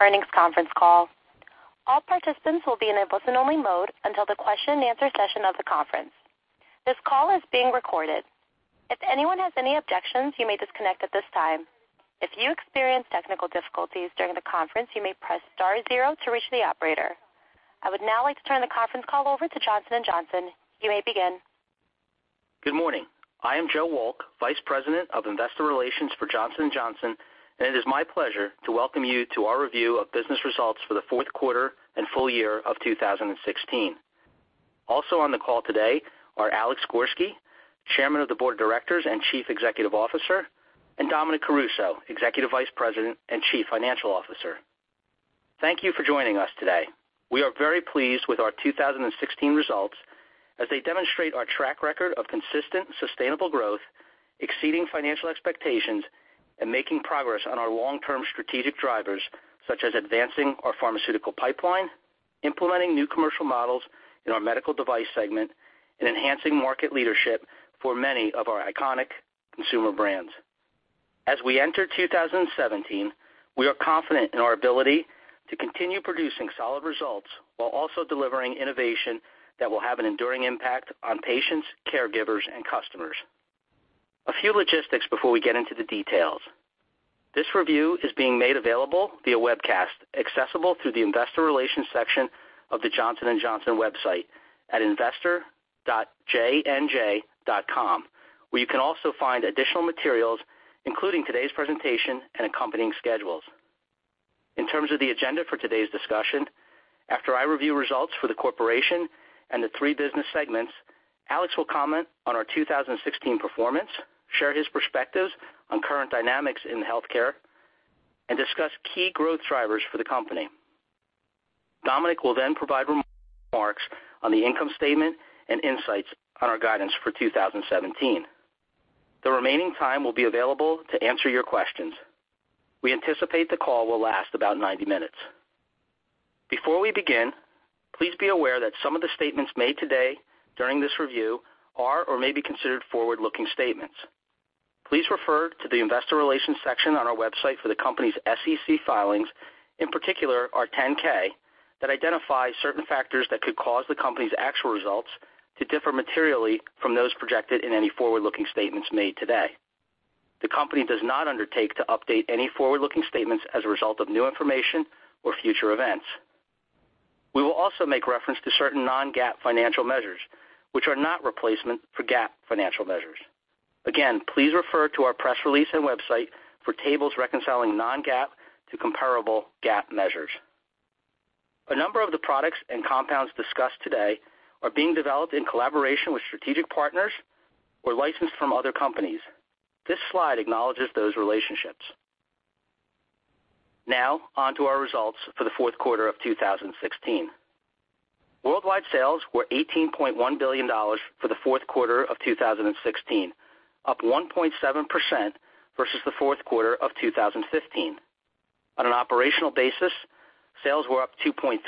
earnings conference call. All participants will be in a listen-only mode until the question-and-answer session of the conference. This call is being recorded. If anyone has any objections, you may disconnect at this time. If you experience technical difficulties during the conference, you may press star 0 to reach the operator. I would now like to turn the conference call over to Johnson & Johnson. You may begin. Good morning. I am Joe Wolk, Vice President of Investor Relations for Johnson & Johnson, and it is my pleasure to welcome you to our review of business results for the fourth quarter and full year of 2016. Also on the call today are Alex Gorsky, Chairman of the Board of Directors and Chief Executive Officer, and Dominic Caruso, Executive Vice President and Chief Financial Officer. Thank you for joining us today. We are very pleased with our 2016 results as they demonstrate our track record of consistent, sustainable growth, exceeding financial expectations, and making progress on our long-term strategic drivers, such as advancing our pharmaceutical pipeline, implementing new commercial models in our medical device segment, and enhancing market leadership for many of our iconic consumer brands. As we enter 2017, we are confident in our ability to continue producing solid results while also delivering innovation that will have an enduring impact on patients, caregivers, and customers. A few logistics before we get into the details. This review is being made available via webcast, accessible through the investor relations section of the Johnson & Johnson website at investor.jnj.com, where you can also find additional materials, including today's presentation and accompanying schedules. In terms of the agenda for today's discussion, after I review results for the corporation and the three business segments, Alex will comment on our 2016 performance, share his perspectives on current dynamics in healthcare, and discuss key growth drivers for the company. Dominic will then provide remarks on the income statement and insights on our guidance for 2017. The remaining time will be available to answer your questions. We anticipate the call will last about 90 minutes. Before we begin, please be aware that some of the statements made today during this review are or may be considered forward-looking statements. Please refer to the investor relations section on our website for the company's SEC filings, in particular our 10-K, that identify certain factors that could cause the company's actual results to differ materially from those projected in any forward-looking statements made today. The company does not undertake to update any forward-looking statements as a result of new information or future events. We will also make reference to certain non-GAAP financial measures, which are not replacement for GAAP financial measures. Again, please refer to our press release and website for tables reconciling non-GAAP to comparable GAAP measures. A number of the products and compounds discussed today are being developed in collaboration with strategic partners or licensed from other companies. This slide acknowledges those relationships. On to our results for the fourth quarter of 2016. Worldwide sales were $18.1 billion for the fourth quarter of 2016, up 1.7% versus the fourth quarter of 2015. On an operational basis, sales were up 2.3%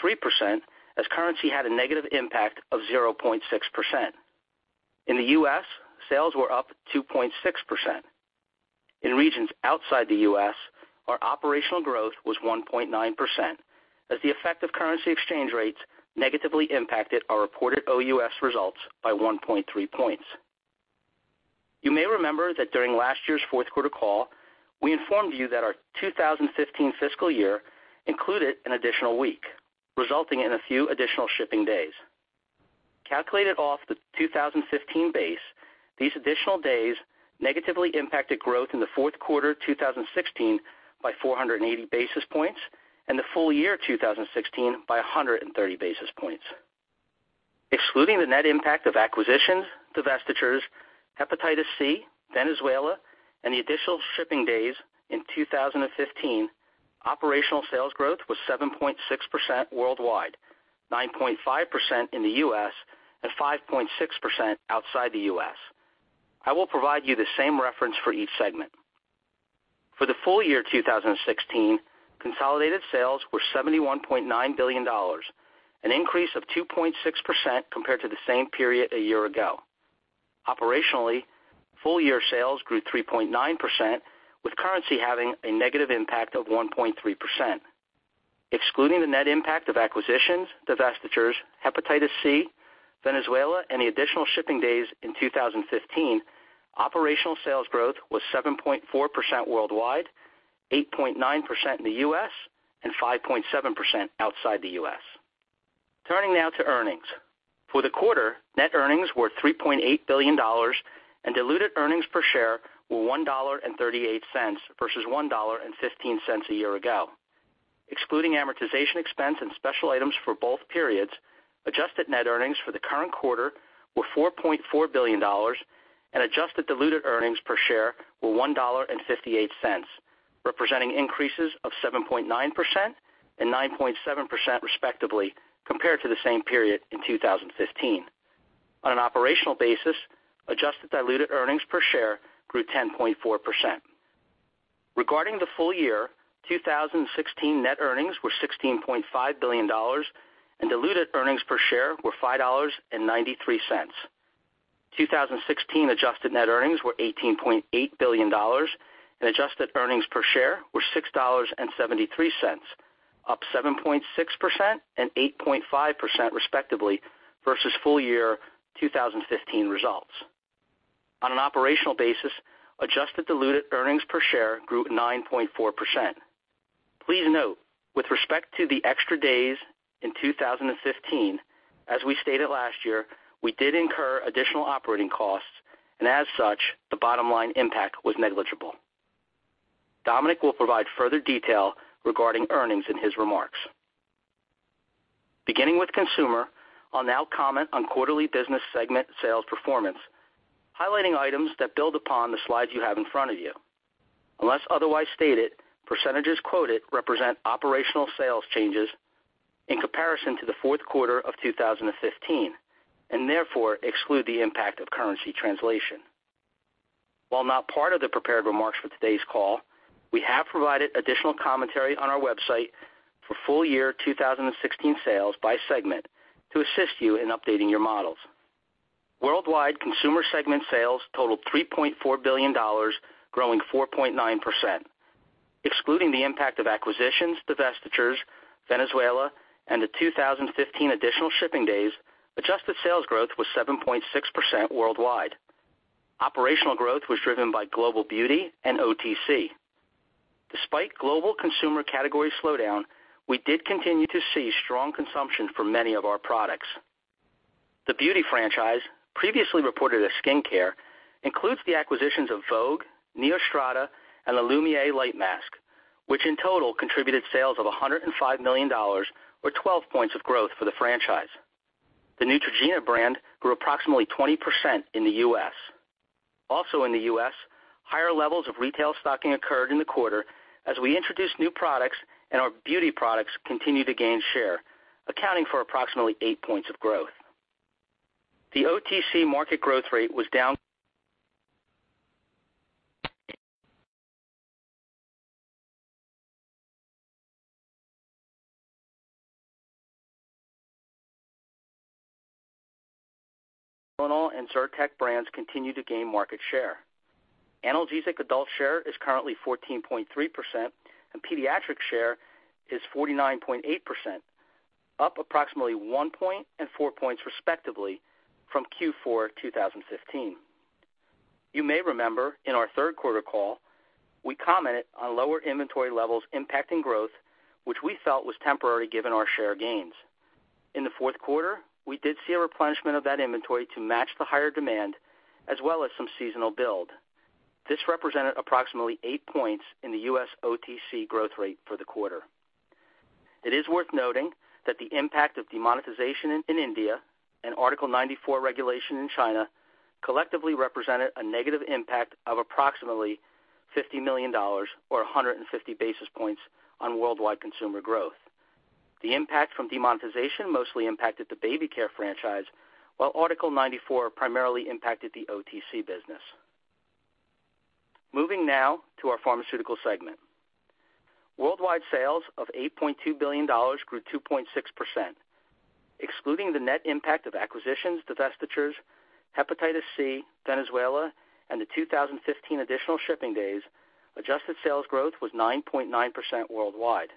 as currency had a negative impact of 0.6%. In the U.S., sales were up 2.6%. In regions outside the U.S., our operational growth was 1.9% as the effect of currency exchange rates negatively impacted our reported OUS results by 1.3 points. You may remember that during last year's fourth quarter call, we informed you that our 2015 fiscal year included an additional week, resulting in a few additional shipping days. Calculated off the 2015 base, these additional days negatively impacted growth in the fourth quarter 2016 by 480 basis points and the full year 2016 by 130 basis points. Excluding the net impact of acquisitions, divestitures, hepatitis C, Venezuela, and the additional shipping days in 2015, operational sales growth was 7.6% worldwide, 9.5% in the U.S., and 5.6% outside the U.S. I will provide you the same reference for each segment. For the full year 2016, consolidated sales were $71.9 billion, an increase of 2.6% compared to the same period a year ago. Operationally, full-year sales grew 3.9%, with currency having a negative impact of 1.3%. Excluding the net impact of acquisitions, divestitures, hepatitis C, Venezuela, and the additional shipping days in 2015, operational sales growth was 7.4% worldwide, 8.9% in the U.S., and 5.7% outside the U.S. Now to earnings. For the quarter, net earnings were $3.8 billion and diluted earnings per share were $1.38 versus $1.15 a year ago. Excluding amortization expense and special items for both periods, adjusted net earnings for the current quarter were $4.4 billion and adjusted diluted earnings per share were $1.58, representing increases of 7.9% and 9.7% respectively compared to the same period in 2015. On an operational basis, adjusted diluted earnings per share grew 10.4%. The full year 2016 net earnings were $16.5 billion, and diluted earnings per share were $5.93. 2016 adjusted net earnings were $18.8 billion and adjusted earnings per share were $6.73, up 7.6% and 8.5% respectively versus full year 2015 results. On an operational basis, adjusted diluted earnings per share grew 9.4%. Please note, with respect to the extra days in 2015, as we stated last year, we did incur additional operating costs, and as such, the bottom line impact was negligible. Dominic will provide further detail regarding earnings in his remarks. With consumer, I'll now comment on quarterly business segment sales performance, highlighting items that build upon the slides you have in front of you. Unless otherwise stated, percentages quoted represent operational sales changes in comparison to the fourth quarter of 2015, and therefore exclude the impact of currency translation. While not part of the prepared remarks for today's call, we have provided additional commentary on our website for full year 2016 sales by segment to assist you in updating your models. Worldwide consumer segment sales totaled $3.4 billion, growing 4.9%. Excluding the impact of acquisitions, divestitures, Venezuela, and the 2015 additional shipping days, adjusted sales growth was 7.6% worldwide. Operational growth was driven by global beauty and OTC. Despite global consumer category slowdown, we did continue to see strong consumption for many of our products. The beauty franchise, previously reported as skincare, includes the acquisitions of Vogue, NeoStrata, and the Lumière Light Mask, which in total contributed sales of $105 million or 12 points of growth for the franchise. The Neutrogena brand grew approximately 20% in the U.S. Also in the U.S., higher levels of retail stocking occurred in the quarter as we introduced new products and our beauty products continue to gain share, accounting for approximately eight points of growth. The OTC market growth rate was down. TYLENOL and Zyrtec brands continue to gain market share. Analgesic adult share is currently 14.3%, and pediatric share is 49.8%, up approximately one point and four points respectively from Q4 2015. You may remember in our third quarter call, we commented on lower inventory levels impacting growth, which we felt was temporary given our share gains. In the fourth quarter, we did see a replenishment of that inventory to match the higher demand, as well as some seasonal build. This represented approximately eight points in the U.S. OTC growth rate for the quarter. It is worth noting that the impact of demonetization in India and Article 94 regulation in China collectively represented a negative impact of approximately $50 million or 150 basis points on worldwide consumer growth. The impact from demonetization mostly impacted the baby care franchise, while Article 94 primarily impacted the OTC business. Moving now to our pharmaceutical segment. Worldwide sales of $8.2 billion grew 2.6%. Excluding the net impact of acquisitions, divestitures, hepatitis C, Venezuela, and the 2015 additional shipping days, adjusted sales growth was 9.9% worldwide.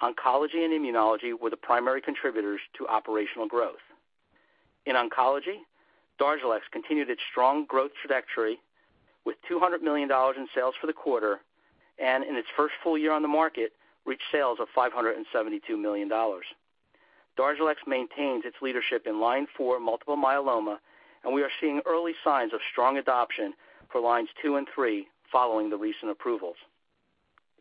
Oncology and immunology were the primary contributors to operational growth. In oncology, DARZALEX continued its strong growth trajectory with $200 million in sales for the quarter, and in its first full year on the market, reached sales of $572 million. DARZALEX maintains its leadership in line 4 multiple myeloma, and we are seeing early signs of strong adoption for lines 2 and 3 following the recent approvals.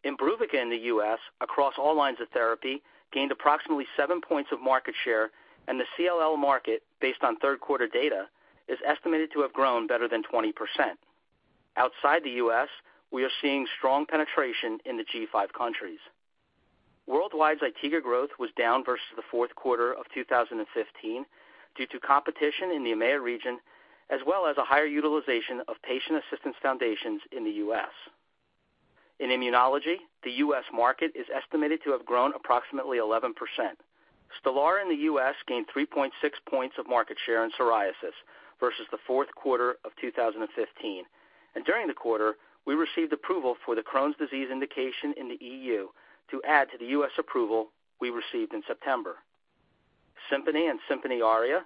IMBRUVICA in the U.S., across all lines of therapy, gained approximately seven points of market share, and the CLL market, based on third quarter data, is estimated to have grown better than 20%. Outside the U.S., we are seeing strong penetration in the G5 countries. Worldwide ZYTIGA growth was down versus the fourth quarter of 2015 due to competition in the EMEA region, as well as a higher utilization of patient assistance foundations in the U.S. In immunology, the U.S. market is estimated to have grown approximately 11%. STELARA in the U.S. gained 3.6 points of market share in psoriasis versus the fourth quarter of 2015. During the quarter, we received approval for the Crohn's disease indication in the EU to add to the U.S. approval we received in September. SIMPONI and SIMPONI ARIA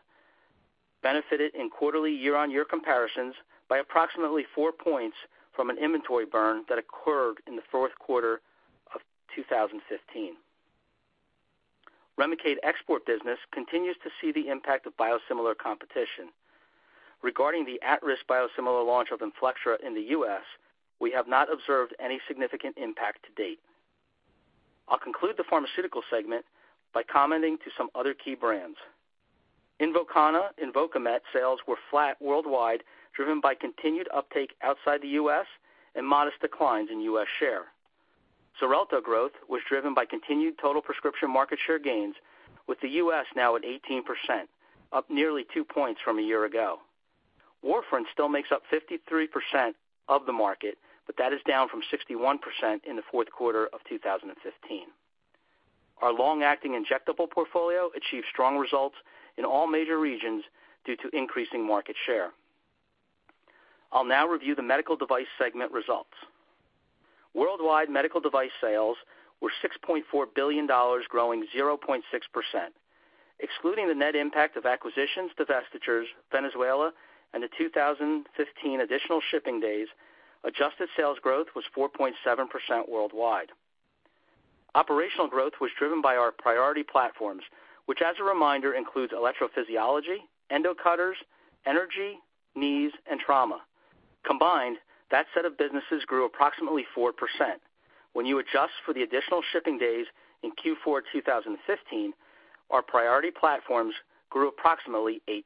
benefited in quarterly year-on-year comparisons by approximately four points from an inventory burn that occurred in the fourth quarter of 2015. REMICADE export business continues to see the impact of biosimilar competition. Regarding the at-risk biosimilar launch of INFLECTRA in the U.S., we have not observed any significant impact to date. I'll conclude the pharmaceutical segment by commenting to some other key brands. INVOKANA and INVOKAMET sales were flat worldwide, driven by continued uptake outside the U.S. and modest declines in U.S. share. XARELTO growth was driven by continued total prescription market share gains with the U.S. now at 18%, up nearly two points from a year ago. warfarin still makes up 53% of the market, but that is down from 61% in the fourth quarter of 2015. Our long-acting injectable portfolio achieved strong results in all major regions due to increasing market share. I'll now review the Medical Device segment results. Worldwide Medical Device sales were $6.4 billion, growing 0.6%. Excluding the net impact of acquisitions, divestitures, Venezuela, and the 2015 additional shipping days, adjusted sales growth was 4.7% worldwide. Operational growth was driven by our priority platforms, which as a reminder, includes electrophysiology, endocutters, energy, knees, and trauma. Combined, that set of businesses grew approximately 4%. When you adjust for the additional shipping days in Q4 2015, our priority platforms grew approximately 8%.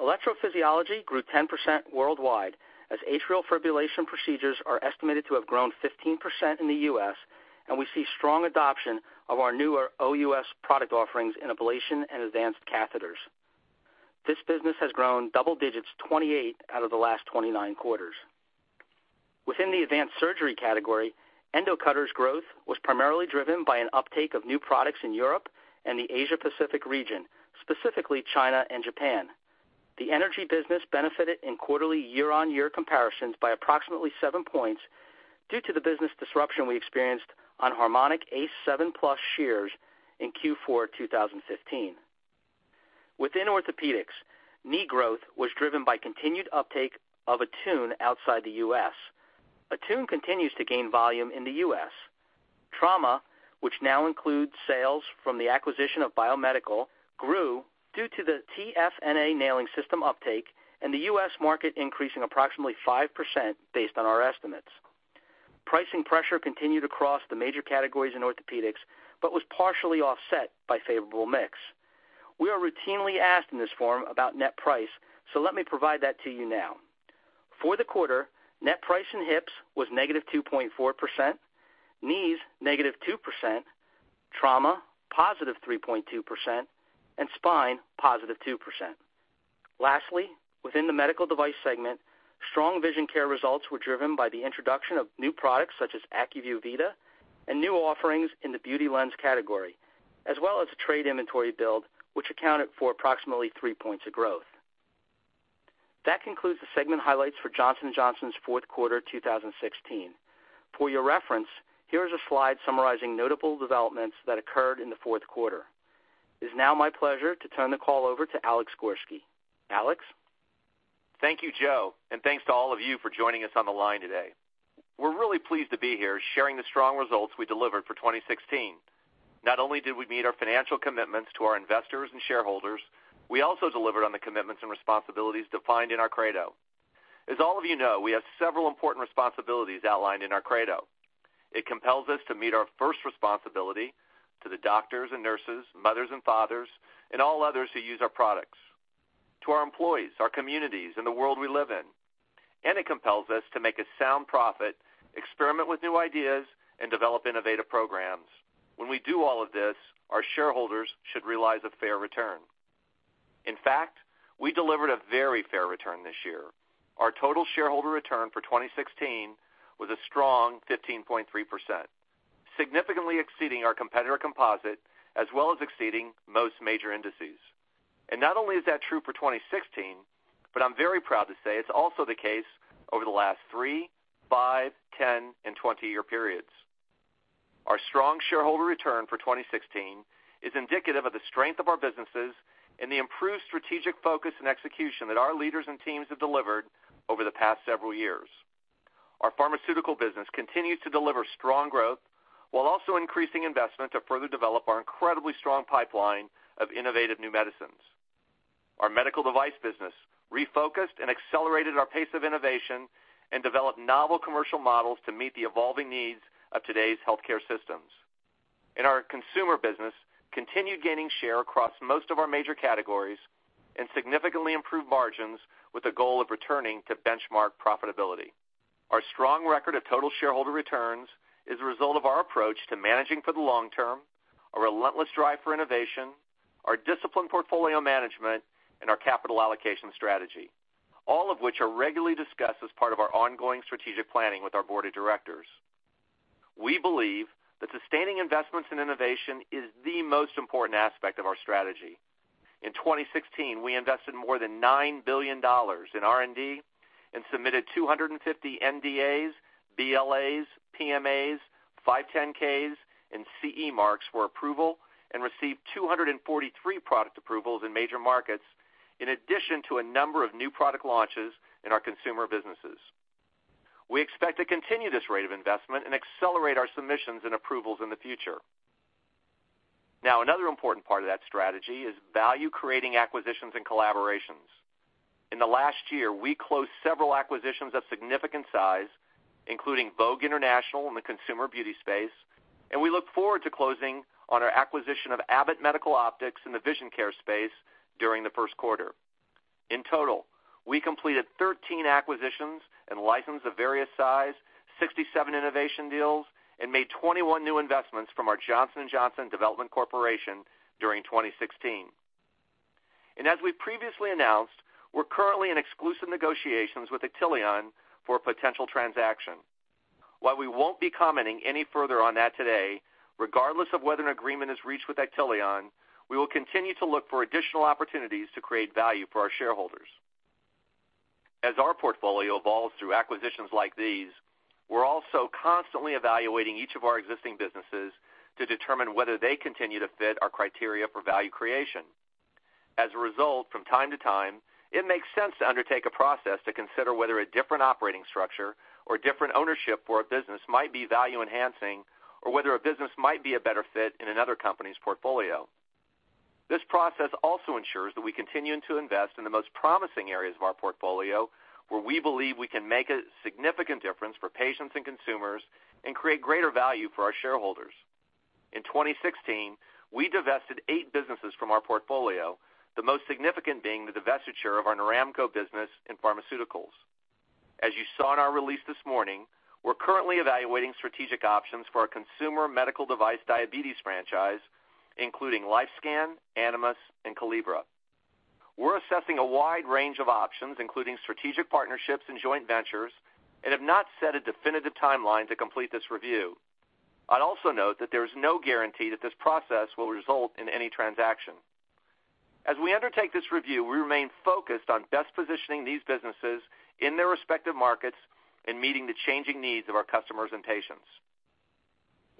Electrophysiology grew 10% worldwide as atrial fibrillation procedures are estimated to have grown 15% in the U.S., and we see strong adoption of our newer OUS product offerings in ablation and advanced catheters. This business has grown double digits 28 out of the last 29 quarters. Within the Advanced Surgery category, endocutters growth was primarily driven by an uptake of new products in Europe and the Asia Pacific region, specifically China and Japan. The energy business benefited in quarterly year-over-year comparisons by approximately seven points due to the business disruption we experienced on HARMONIC ACE 7 Plus shears in Q4 2015. Within orthopedics, knee growth was driven by continued uptake of ATTUNE outside the U.S. ATTUNE continues to gain volume in the U.S. Trauma, which now includes sales from the acquisition of BioMedical, grew due to the TFNA nailing system uptake and the U.S. market increasing approximately 5% based on our estimates. Pricing pressure continued across the major categories in orthopedics but was partially offset by favorable mix. We are routinely asked in this forum about net price, so let me provide that to you now. For the quarter, net price in hips was -2.4%, knees, -2%, trauma, +3.2%, and spine, +2%. Lastly, within the Medical Device segment, strong vision care results were driven by the introduction of new products such as ACUVUE VITA and new offerings in the beauty lens category, as well as a trade inventory build, which accounted for approximately three points of growth. That concludes the segment highlights for Johnson & Johnson's fourth quarter 2016. For your reference, here is a slide summarizing notable developments that occurred in the fourth quarter. It is now my pleasure to turn the call over to Alex Gorsky. Alex? Thank you, Joe, thanks to all of you for joining us on the line today. We're really pleased to be here sharing the strong results we delivered for 2016. Not only did we meet our financial commitments to our investors and shareholders, we also delivered on the commitments and responsibilities defined in our Credo. As all of you know, we have several important responsibilities outlined in our Credo. It compels us to meet our first responsibility to the doctors and nurses, mothers and fathers, and all others who use our products, to our employees, our communities, and the world we live in. It compels us to make a sound profit, experiment with new ideas, and develop innovative programs. When we do all of this, our shareholders should realize a fair return. In fact, we delivered a very fair return this year. Our total shareholder return for 2016 was a strong 15.3%, significantly exceeding our competitor composite, as well as exceeding most major indices. Not only is that true for 2016, but I'm very proud to say it's also the case over the last three, five, 10, and 20 year periods. Our strong shareholder return for 2016 is indicative of the strength of our businesses and the improved strategic focus and execution that our leaders and teams have delivered over the past several years. Our pharmaceutical business continues to deliver strong growth while also increasing investment to further develop our incredibly strong pipeline of innovative new medicines. Our medical device business refocused and accelerated our pace of innovation and developed novel commercial models to meet the evolving needs of today's healthcare systems. Our consumer business continued gaining share across most of our major categories and significantly improved margins with the goal of returning to benchmark profitability. Our strong record of total shareholder returns is a result of our approach to managing for the long term, a relentless drive for innovation, our disciplined portfolio management, and our capital allocation strategy, all of which are regularly discussed as part of our ongoing strategic planning with our board of directors. We believe that sustaining investments in innovation is the most important aspect of our strategy. In 2016, we invested more than $9 billion in R&D and submitted 250 NDAs, BLAs, PMAs, 510(k)s, and CE marks for approval and received 243 product approvals in major markets, in addition to a number of new product launches in our consumer businesses. Now, another important part of that strategy is value-creating acquisitions and collaborations. In the last year, we closed several acquisitions of significant size, including Vogue International in the consumer beauty space, and we look forward to closing on our acquisition of Abbott Medical Optics in the vision care space during the first quarter. In total, we completed 13 acquisitions and licensed of various size, 67 innovation deals, and made 21 new investments from our Johnson & Johnson Development Corporation during 2016. As we previously announced, we're currently in exclusive negotiations with Actelion for a potential transaction. While we won't be commenting any further on that today, regardless of whether an agreement is reached with Actelion, we will continue to look for additional opportunities to create value for our shareholders. As our portfolio evolves through acquisitions like these, we're also constantly evaluating each of our existing businesses to determine whether they continue to fit our criteria for value creation. As a result, from time to time, it makes sense to undertake a process to consider whether a different operating structure or different ownership for a business might be value enhancing, or whether a business might be a better fit in another company's portfolio. This process also ensures that we continue to invest in the most promising areas of our portfolio, where we believe we can make a significant difference for patients and consumers and create greater value for our shareholders. In 2016, we divested eight businesses from our portfolio, the most significant being the divestiture of our Noramco business in pharmaceuticals. As you saw in our release this morning, we're currently evaluating strategic options for our consumer medical device diabetes franchise, including LifeScan, Animas, and Calibra. We're assessing a wide range of options, including strategic partnerships and joint ventures, and have not set a definitive timeline to complete this review. I'd also note that there is no guarantee that this process will result in any transaction. As we undertake this review, we remain focused on best positioning these businesses in their respective markets and meeting the changing needs of our customers and patients.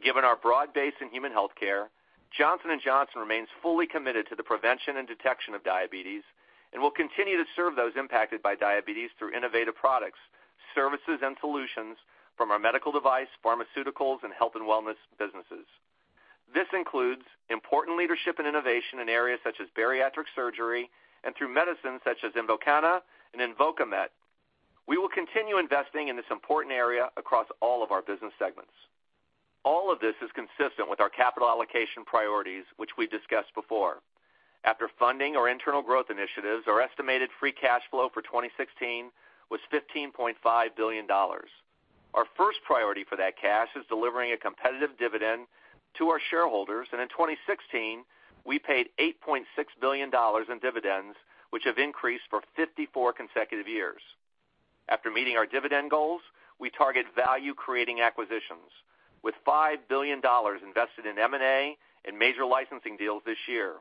Given our broad base in human healthcare, Johnson & Johnson remains fully committed to the prevention and detection of diabetes and will continue to serve those impacted by diabetes through innovative products, services, and solutions from our medical device, pharmaceuticals, and health and wellness businesses. This includes important leadership and innovation in areas such as bariatric surgery and through medicines such as INVOKANA and INVOKAMET. We will continue investing in this important area across all of our business segments. All of this is consistent with our capital allocation priorities, which we discussed before. After funding our internal growth initiatives, our estimated free cash flow for 2016 was $15.5 billion. Our first priority for that cash is delivering a competitive dividend to our shareholders. In 2016, we paid $8.6 billion in dividends, which have increased for 54 consecutive years. After meeting our dividend goals, we target value-creating acquisitions with $5 billion invested in M&A and major licensing deals this year.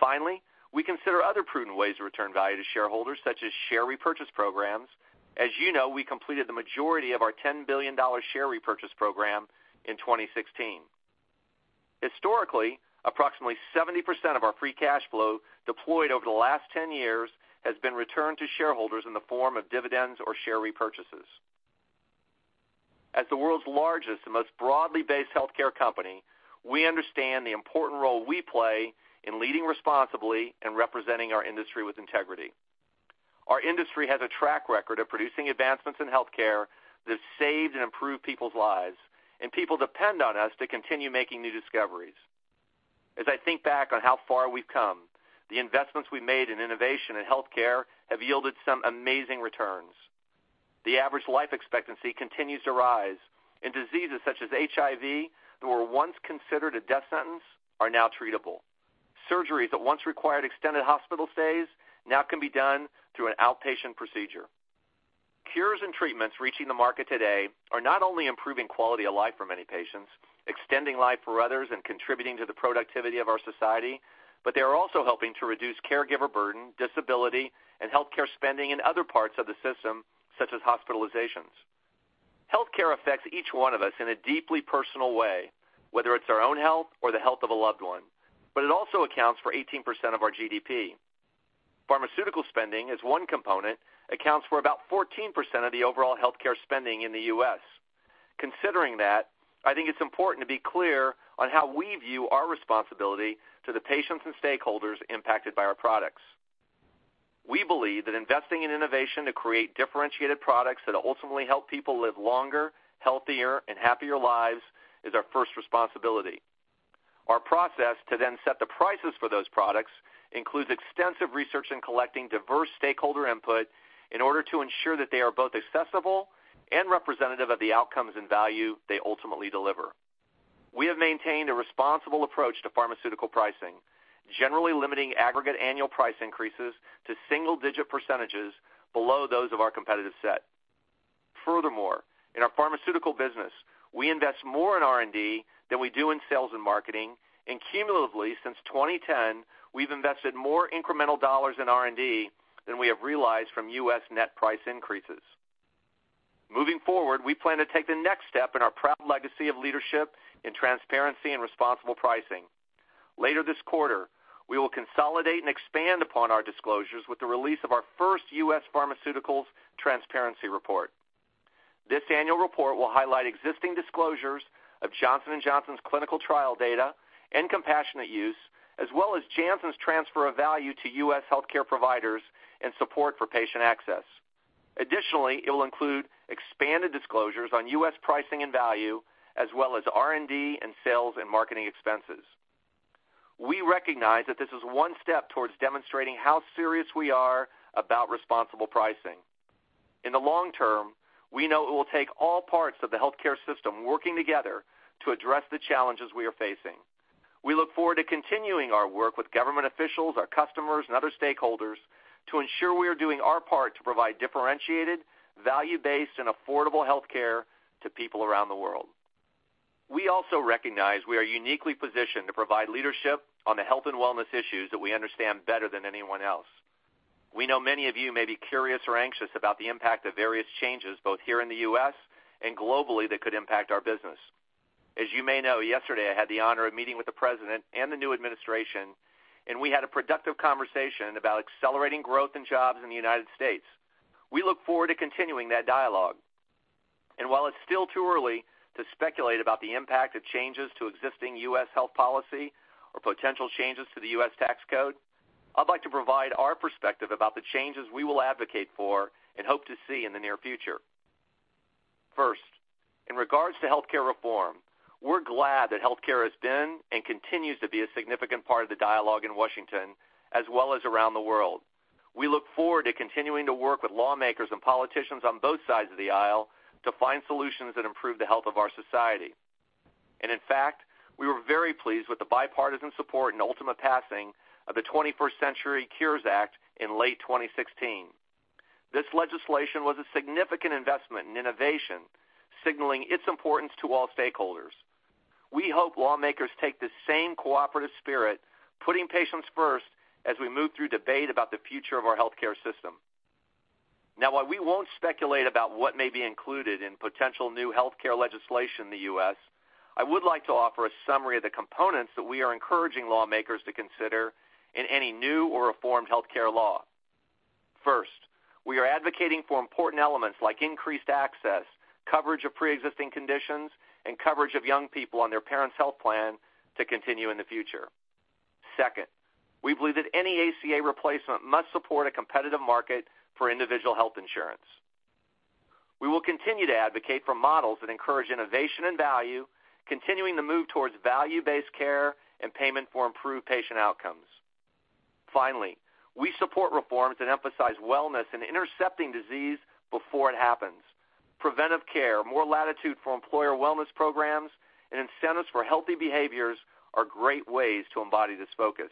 Finally, we consider other prudent ways to return value to shareholders, such as share repurchase programs. As you know, we completed the majority of our $10 billion share repurchase program in 2016. Historically, approximately 70% of our free cash flow deployed over the last 10 years has been returned to shareholders in the form of dividends or share repurchases. As the world's largest and most broadly based healthcare company, we understand the important role we play in leading responsibly and representing our industry with integrity. Our industry has a track record of producing advancements in healthcare that have saved and improved people's lives, and people depend on us to continue making new discoveries. As I think back on how far we've come, the investments we made in innovation and healthcare have yielded some amazing returns. The average life expectancy continues to rise, and diseases such as HIV, that were once considered a death sentence, are now treatable. Surgeries that once required extended hospital stays now can be done through an outpatient procedure. Cures and treatments reaching the market today are not only improving quality of life for many patients, extending life for others, and contributing to the productivity of our society, but they are also helping to reduce caregiver burden, disability, and healthcare spending in other parts of the system, such as hospitalizations. Healthcare affects each one of us in a deeply personal way, whether it's our own health or the health of a loved one. It also accounts for 18% of our GDP. Pharmaceutical spending, as one component, accounts for about 14% of the overall healthcare spending in the U.S. Considering that, I think it's important to be clear on how we view our responsibility to the patients and stakeholders impacted by our products. We believe that investing in innovation to create differentiated products that ultimately help people live longer, healthier, and happier lives is our first responsibility. Our process to then set the prices for those products includes extensive research and collecting diverse stakeholder input in order to ensure that they are both accessible and representative of the outcomes and value they ultimately deliver. We have maintained a responsible approach to pharmaceutical pricing, generally limiting aggregate annual price increases to single-digit percentages below those of our competitive set. Furthermore, in our pharmaceutical business, we invest more in R&D than we do in sales and marketing. Cumulatively, since 2010, we've invested more incremental dollars in R&D than we have realized from U.S. net price increases. Moving forward, we plan to take the next step in our proud legacy of leadership in transparency and responsible pricing. Later this quarter, we will consolidate and expand upon our disclosures with the release of our first U.S. Pharmaceuticals Transparency Report. This annual report will highlight existing disclosures of Johnson & Johnson's clinical trial data and compassionate use, as well as Janssen's transfer of value to U.S. healthcare providers and support for patient access. It will include expanded disclosures on U.S. pricing and value, as well as R&D and sales and marketing expenses. We recognize that this is one step towards demonstrating how serious we are about responsible pricing. In the long term, we know it will take all parts of the healthcare system working together to address the challenges we are facing. We look forward to continuing our work with government officials, our customers, and other stakeholders to ensure we are doing our part to provide differentiated, value-based, and affordable healthcare to people around the world. We also recognize we are uniquely positioned to provide leadership on the health and wellness issues that we understand better than anyone else. We know many of you may be curious or anxious about the impact of various changes, both here in the U.S. and globally, that could impact our business. As you may know, yesterday I had the honor of meeting with the President and the new administration, and we had a productive conversation about accelerating growth and jobs in the United States. We look forward to continuing that dialogue. While it's still too early to speculate about the impact of changes to existing U.S. health policy or potential changes to the U.S. tax code, I'd like to provide our perspective about the changes we will advocate for and hope to see in the near future. First, in regards to healthcare reform, we're glad that healthcare has been and continues to be a significant part of the dialogue in Washington as well as around the world. We look forward to continuing to work with lawmakers and politicians on both sides of the aisle to find solutions that improve the health of our society. In fact, we were very pleased with the bipartisan support and ultimate passing of the 21st Century Cures Act in late 2016. This legislation was a significant investment in innovation, signaling its importance to all stakeholders. We hope lawmakers take the same cooperative spirit, putting patients first, as we move through debate about the future of our healthcare system. While we won't speculate about what may be included in potential new healthcare legislation in the U.S., I would like to offer a summary of the components that we are encouraging lawmakers to consider in any new or reformed healthcare law. First, we are advocating for important elements like increased access, coverage of preexisting conditions, and coverage of young people on their parent's health plan to continue in the future. Second, we believe that any ACA replacement must support a competitive market for individual health insurance. We will continue to advocate for models that encourage innovation and value, continuing the move towards value-based care and payment for improved patient outcomes. Finally, we support reforms that emphasize wellness and intercepting disease before it happens. Preventive care, more latitude for employer wellness programs, and incentives for healthy behaviors are great ways to embody this focus.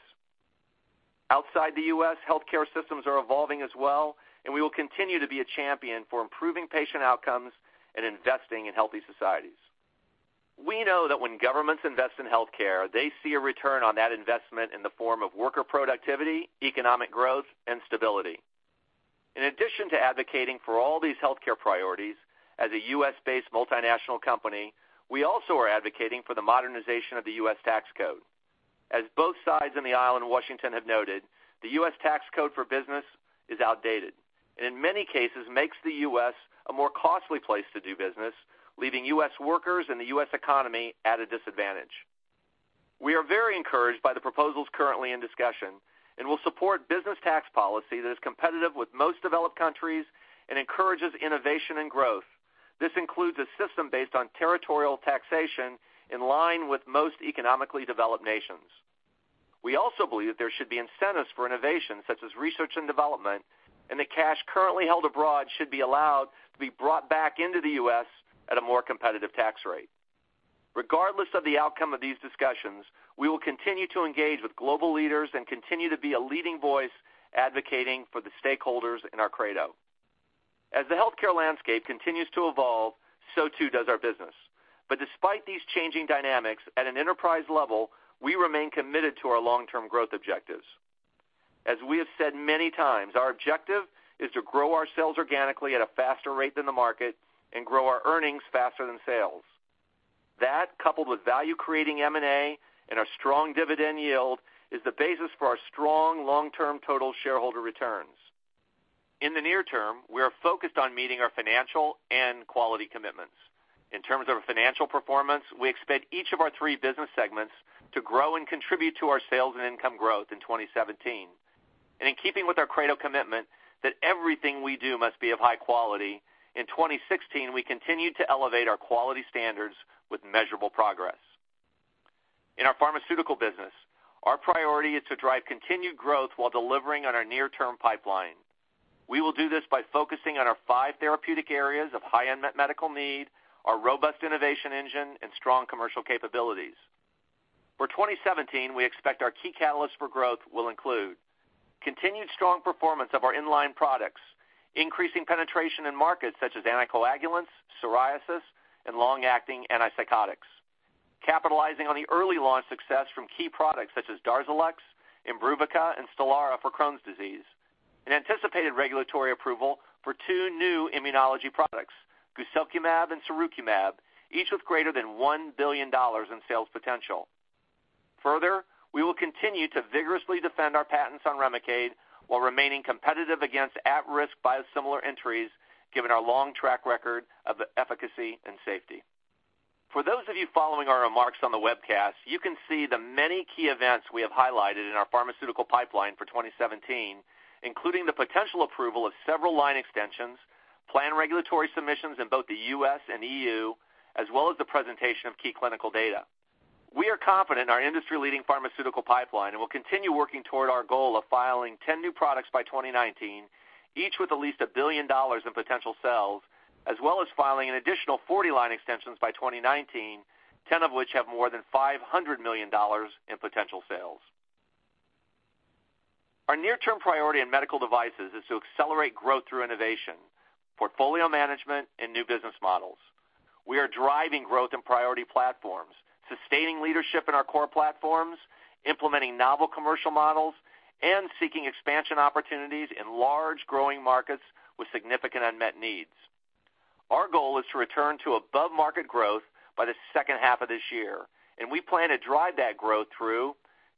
Outside the U.S., healthcare systems are evolving as well. We will continue to be a champion for improving patient outcomes and investing in healthy societies. We know that when governments invest in healthcare, they see a return on that investment in the form of worker productivity, economic growth, and stability. In addition to advocating for all these healthcare priorities, as a U.S.-based multinational company, we also are advocating for the modernization of the U.S. tax code. As both sides in the aisle in Washington have noted, the U.S. tax code for business is outdated, and in many cases, makes the U.S. a more costly place to do business, leaving U.S. workers and the U.S. economy at a disadvantage. We are very encouraged by the proposals currently in discussion and will support business tax policy that is competitive with most developed countries and encourages innovation and growth. This includes a system based on territorial taxation in line with most economically developed nations. We also believe that there should be incentives for innovation, such as research and development, and that cash currently held abroad should be allowed to be brought back into the U.S. at a more competitive tax rate. Regardless of the outcome of these discussions, we will continue to engage with global leaders and continue to be a leading voice advocating for the stakeholders in our credo. As the healthcare landscape continues to evolve, so too does our business. Despite these changing dynamics, at an enterprise level, we remain committed to our long-term growth objectives. As we have said many times, our objective is to grow our sales organically at a faster rate than the market and grow our earnings faster than sales. That, coupled with value-creating M&A and our strong dividend yield, is the basis for our strong long-term total shareholder returns. In the near term, we are focused on meeting our financial and quality commitments. In terms of financial performance, we expect each of our three business segments to grow and contribute to our sales and income growth in 2017. In keeping with our credo commitment that everything we do must be of high quality, in 2016, we continued to elevate our quality standards with measurable progress. In our pharmaceutical business, our priority is to drive continued growth while delivering on our near-term pipeline. We will do this by focusing on our five therapeutic areas of high unmet medical need, our robust innovation engine, and strong commercial capabilities. For 2017, we expect our key catalyst for growth will include continued strong performance of the in-line products, increasing penetration in markets such as anticoagulants, psoriasis, and long-acting antipsychotics, capitalizing on the early launch success from key products such as DARZALEX, IMBRUVICA, and STELARA for Crohn's disease, an anticipated regulatory approval for two new immunology products, guselkumab and sirukumab, each with greater than $1 billion in sales potential. Further, we will continue to vigorously defend our patents on REMICADE while remaining competitive against at-risk biosimilar entries, given our long track record of efficacy and safety. For those of you following our remarks on the webcast, you can see the many key events we have highlighted in our pharmaceutical pipeline for 2017, including the potential approval of several line extensions, planned regulatory submissions in both the U.S. and E.U., as well as the presentation of key clinical data. We are confident in our industry-leading pharmaceutical pipeline, we'll continue working toward our goal of filing 10 new products by 2019, each with at least $1 billion in potential sales, as well as filing an additional 40 line extensions by 2019, 10 of which have more than $500 million in potential sales. Our near-term priority in medical devices is to accelerate growth through innovation, portfolio management, and new business models. We are driving growth in priority platforms, sustaining leadership in our core platforms, implementing novel commercial models, and seeking expansion opportunities in large growing markets with significant unmet needs. Our goal is to return to above-market growth by the second half of this year, we plan to drive that growth through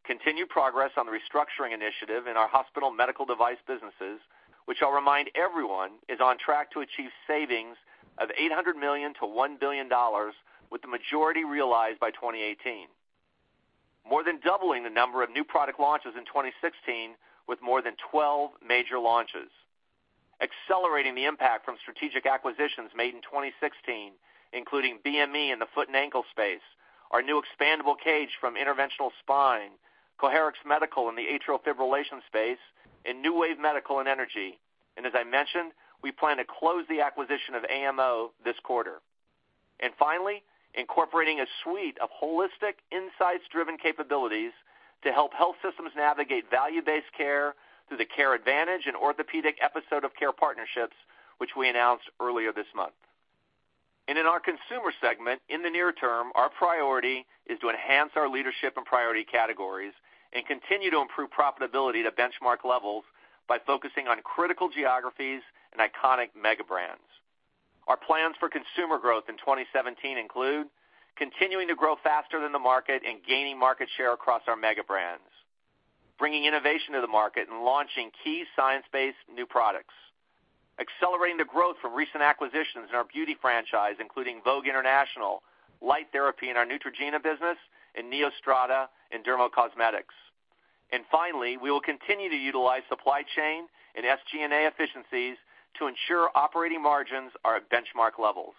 continued progress on the restructuring initiative in our hospital medical device businesses, which I'll remind everyone is on track to achieve savings of $800 million-$1 billion, with the majority realized by 2018. More than doubling the number of new product launches in 2016, with more than 12 major launches. Accelerating the impact from strategic acquisitions made in 2016, including BME in the foot and ankle space, our new expandable cage from Interventional Spine, Coherex Medical in the atrial fibrillation space, and NeuWave Medical in energy. As I mentioned, we plan to close the acquisition of AMO this quarter. Finally, incorporating a suite of holistic, insights-driven capabilities to help health systems navigate value-based care through the Care Advantage and Orthopedic Episode of Care partnerships, which we announced earlier this month. In our consumer segment, in the near term, our priority is to enhance our leadership in priority categories and continue to improve profitability to benchmark levels by focusing on critical geographies and iconic mega brands. Our plans for consumer growth in 2017 include continuing to grow faster than the market and gaining market share across our mega brands, bringing innovation to the market and launching key science-based new products, accelerating the growth from recent acquisitions in our beauty franchise, including Vogue International, light therapy in our NEUTROGENA business, and NeoStrata in Dermocosmetics. Finally, we will continue to utilize supply chain and SG&A efficiencies to ensure operating margins are at benchmark levels.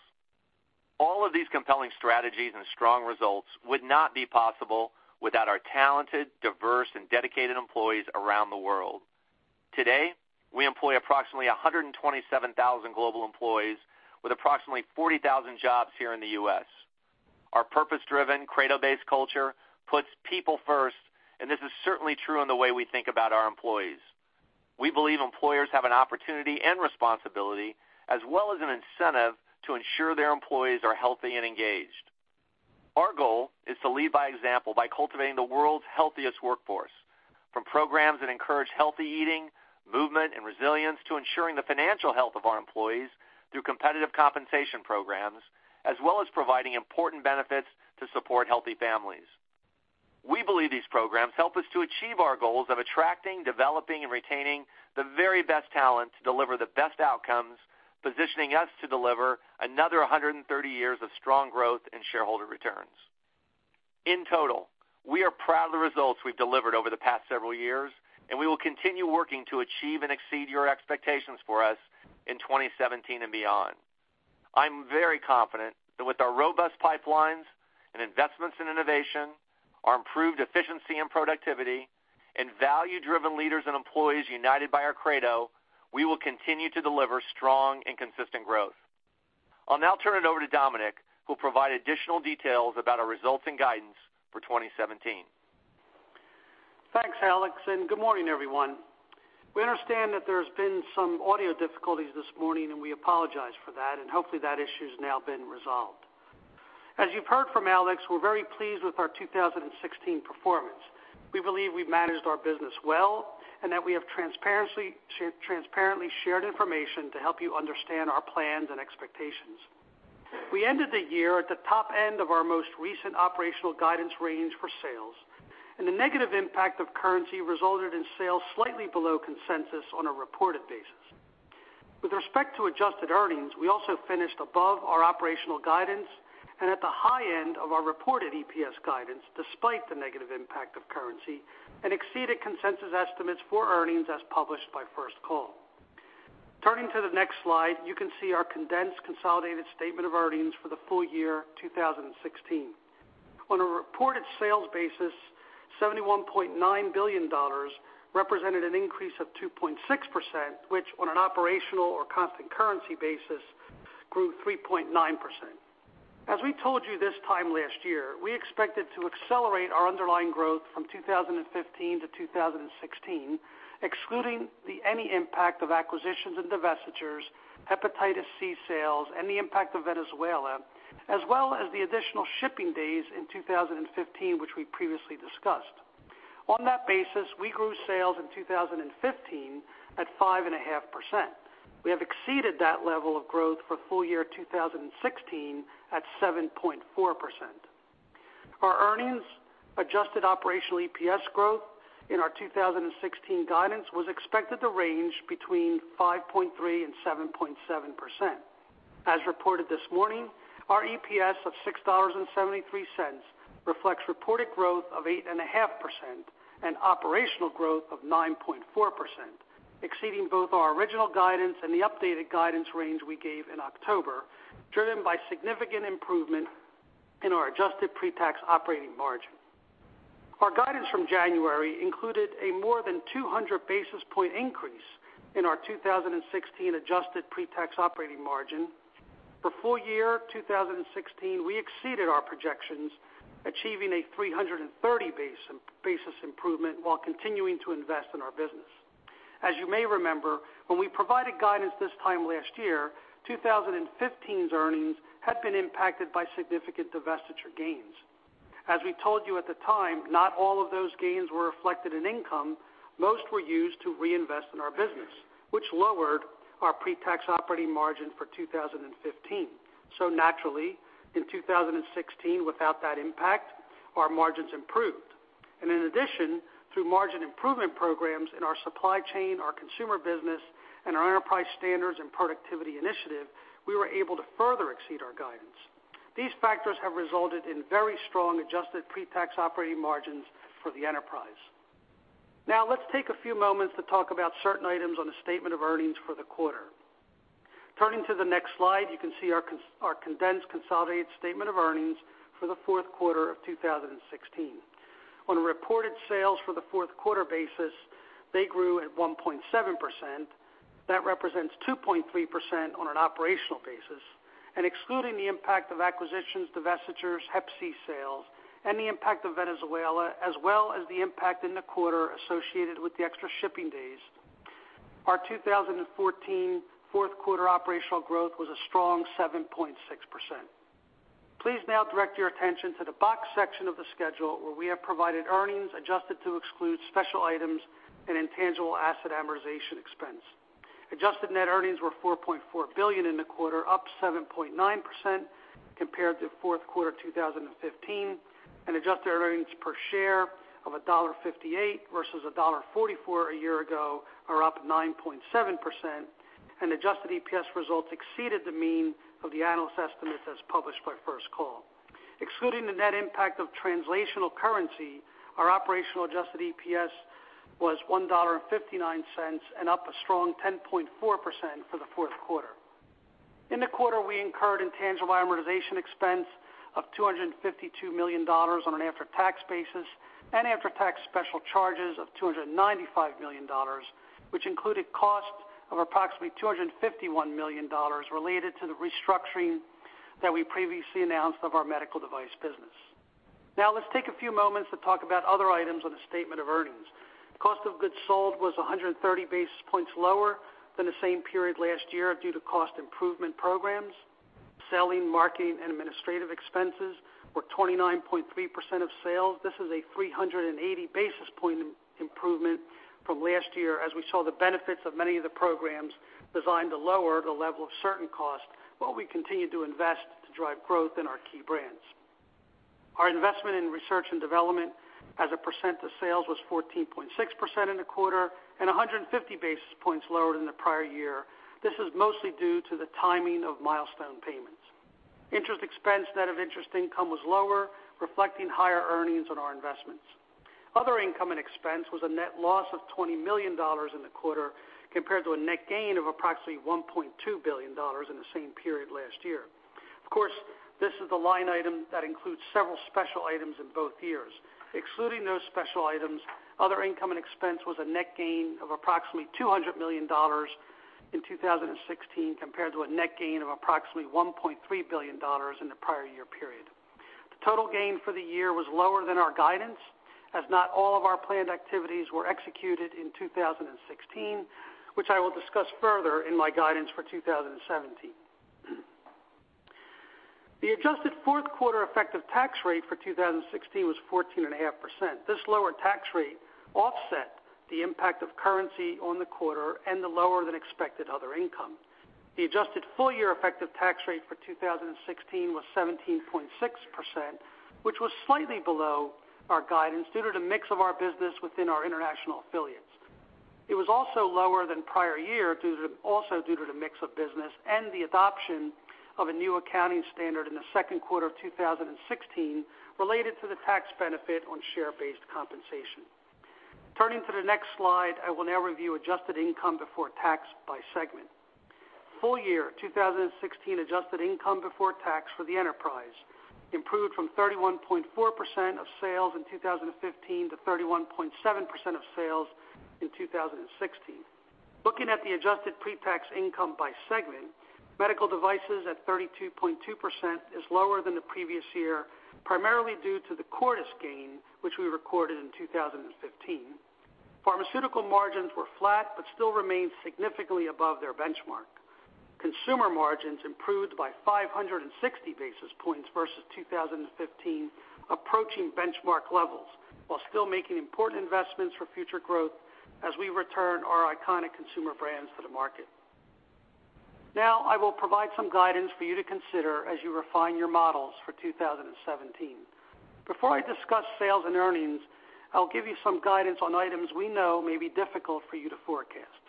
All of these compelling strategies and strong results would not be possible without our talented, diverse, and dedicated employees around the world. Today, we employ approximately 127,000 global employees with approximately 40,000 jobs here in the U.S. Our purpose-driven, Credo-based culture puts people first, and this is certainly true in the way we think about our employees. We believe employers have an opportunity and responsibility, as well as an incentive, to ensure their employees are healthy and engaged. Our goal is to lead by example by cultivating the world's healthiest workforce, from programs that encourage healthy eating, movement, and resilience, to ensuring the financial health of our employees through competitive compensation programs, as well as providing important benefits to support healthy families. We believe these programs help us to achieve our goals of attracting, developing, and retaining the very best talent to deliver the best outcomes, positioning us to deliver another 130 years of strong growth and shareholder returns. In total, we are proud of the results we've delivered over the past several years, and we will continue working to achieve and exceed your expectations for us in 2017 and beyond. I'm very confident that with our robust pipelines and investments in innovation, our improved efficiency and productivity, and value-driven leaders and employees united by our credo, we will continue to deliver strong and consistent growth. I'll now turn it over to Dominic, who will provide additional details about our results and guidance for 2017. Thanks, Alex, and good morning, everyone. We understand that there's been some audio difficulties this morning, and we apologize for that, and hopefully, that issue's now been resolved. As you've heard from Alex, we're very pleased with our 2016 performance. We believe we've managed our business well and that we have transparently shared information to help you understand our plans and expectations. We ended the year at the top end of our most recent operational guidance range for sales, and the negative impact of currency resulted in sales slightly below consensus on a reported basis. With respect to adjusted earnings, we also finished above our operational guidance and at the high end of our reported EPS guidance, despite the negative impact of currency, and exceeded consensus estimates for earnings as published by First Call. Turning to the next slide, you can see our condensed consolidated statement of earnings for the full year 2016. On a reported sales basis, $71.9 billion represented an increase of 2.6%, which on an operational or constant currency basis grew 3.9%. As we told you this time last year, we expected to accelerate our underlying growth from 2015 to 2016, excluding any impact of acquisitions and divestitures, hepatitis C sales, and the impact of Venezuela, as well as the additional shipping days in 2015, which we previously discussed. On that basis, we grew sales in 2015 at 5.5%. We have exceeded that level of growth for full year 2016 at 7.4%. Our earnings adjusted operational EPS growth in our 2016 guidance was expected to range between 5.3% and 7.7%. As reported this morning, our EPS of $6.73 reflects reported growth of 8.5% and operational growth of 9.4%, exceeding both our original guidance and the updated guidance range we gave in October, driven by significant improvement in our adjusted pre-tax operating margin. Our guidance from January included a more than 200 basis point increase in our 2016 adjusted pre-tax operating margin. For full year 2016, we exceeded our projections, achieving a 330 basis improvement while continuing to invest in our business. As you may remember, when we provided guidance this time last year, 2015's earnings had been impacted by significant divestiture gains. As we told you at the time, not all of those gains were reflected in income. Most were used to reinvest in our business, which lowered our pre-tax operating margin for 2015. Naturally, in 2016, without that impact, our margins improved. In addition, through margin improvement programs in our supply chain, our consumer business, and our enterprise standards and productivity initiative, we were able to further exceed our guidance. These factors have resulted in very strong adjusted pre-tax operating margins for the enterprise. Now let's take a few moments to talk about certain items on the statement of earnings for the quarter. Turning to the next slide, you can see our condensed consolidated statement of earnings for the fourth quarter of 2016. On a reported sales for the fourth quarter basis, they grew at 1.7%. That represents 2.3% on an operational basis. Excluding the impact of acquisitions, divestitures, hep C sales, and the impact of Venezuela, as well as the impact in the quarter associated with the extra shipping days, our 2016 fourth quarter operational growth was a strong 7.6%. Please now direct your attention to the boxed section of the schedule where we have provided earnings adjusted to exclude special items and intangible asset amortization expense. Adjusted net earnings were $4.4 billion in the quarter, up 7.9% compared to fourth quarter 2015. Adjusted earnings per share of $1.58 versus $1.44 a year ago, or up 9.7%. Adjusted EPS results exceeded the mean of the analyst estimates as published by First Call. Excluding the net impact of translational currency, our operational adjusted EPS was $1.59 and up a strong 10.4% for the fourth quarter. In the quarter, we incurred intangible amortization expense of $252 million on an after-tax basis and after-tax special charges of $295 million, which included cost of approximately $251 million related to the restructuring that we previously announced of our medical device business. Let's take a few moments to talk about other items on the statement of earnings. Cost of goods sold was 130 basis points lower than the same period last year due to cost improvement programs. Selling, marketing, and administrative expenses were 29.3% of sales. This is a 380 basis point improvement from last year as we saw the benefits of many of the programs designed to lower the level of certain costs while we continued to invest to drive growth in our key brands. Our investment in research and development as a percent of sales was 14.6% in the quarter and 150 basis points lower than the prior year. This is mostly due to the timing of milestone payments. Interest expense, net of interest income was lower, reflecting higher earnings on our investments. Other income and expense was a net loss of $20 million in the quarter, compared to a net gain of approximately $1.2 billion in the same period last year. Of course, this is the line item that includes several special items in both years. Excluding those special items, other income and expense was a net gain of approximately $200 million in 2016, compared to a net gain of approximately $1.3 billion in the prior year period. The total gain for the year was lower than our guidance, as not all of our planned activities were executed in 2016, which I will discuss further in my guidance for 2017. The adjusted fourth quarter effective tax rate for 2016 was 14.5%. This lower tax rate offset the impact of currency on the quarter and the lower than expected other income. The adjusted full year effective tax rate for 2016 was 17.6%, which was slightly below our guidance due to the mix of our business within our international affiliates. It was also lower than prior year, also due to the mix of business and the adoption of a new accounting standard in the second quarter of 2016 related to the tax benefit on share-based compensation. Turning to the next slide, I will now review adjusted income before tax by segment. Full year 2016 adjusted income before tax for the enterprise improved from 31.4% of sales in 2015 to 31.7% of sales in 2016. Looking at the adjusted pre-tax income by segment, medical devices at 32.2% is lower than the previous year, primarily due to the Cordis gain, which we recorded in 2015. Pharmaceutical margins were flat but still remained significantly above their benchmark. Consumer margins improved by 560 basis points versus 2015, approaching benchmark levels while still making important investments for future growth as we return our iconic consumer brands to the market. I will provide some guidance for you to consider as you refine your models for 2017. Before I discuss sales and earnings, I'll give you some guidance on items we know may be difficult for you to forecast.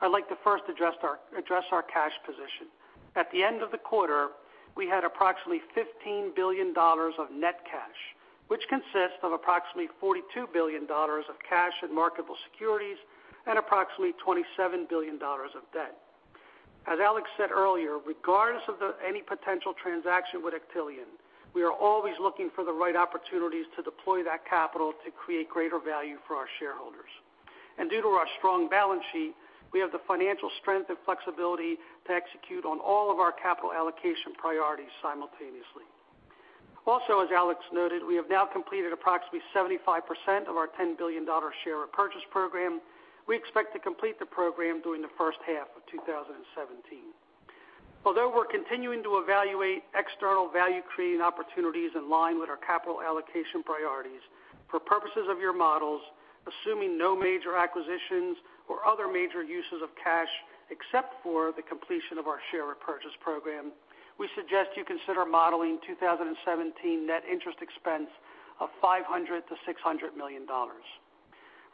I'd like to first address our cash position. At the end of the quarter, we had approximately $15 billion of net cash, which consists of approximately $42 billion of cash in marketable securities and approximately $27 billion of debt. As Alex said earlier, regardless of any potential transaction with Actelion, we are always looking for the right opportunities to deploy that capital to create greater value for our shareholders. Due to our strong balance sheet, we have the financial strength and flexibility to execute on all of our capital allocation priorities simultaneously. Also, as Alex noted, we have now completed approximately 75% of our $10 billion share repurchase program. We expect to complete the program during the first half of 2017. Although we're continuing to evaluate external value-creating opportunities in line with our capital allocation priorities, for purposes of your models, assuming no major acquisitions or other major uses of cash except for the completion of our share repurchase program, we suggest you consider modeling 2017 net interest expense of $500 million-$600 million.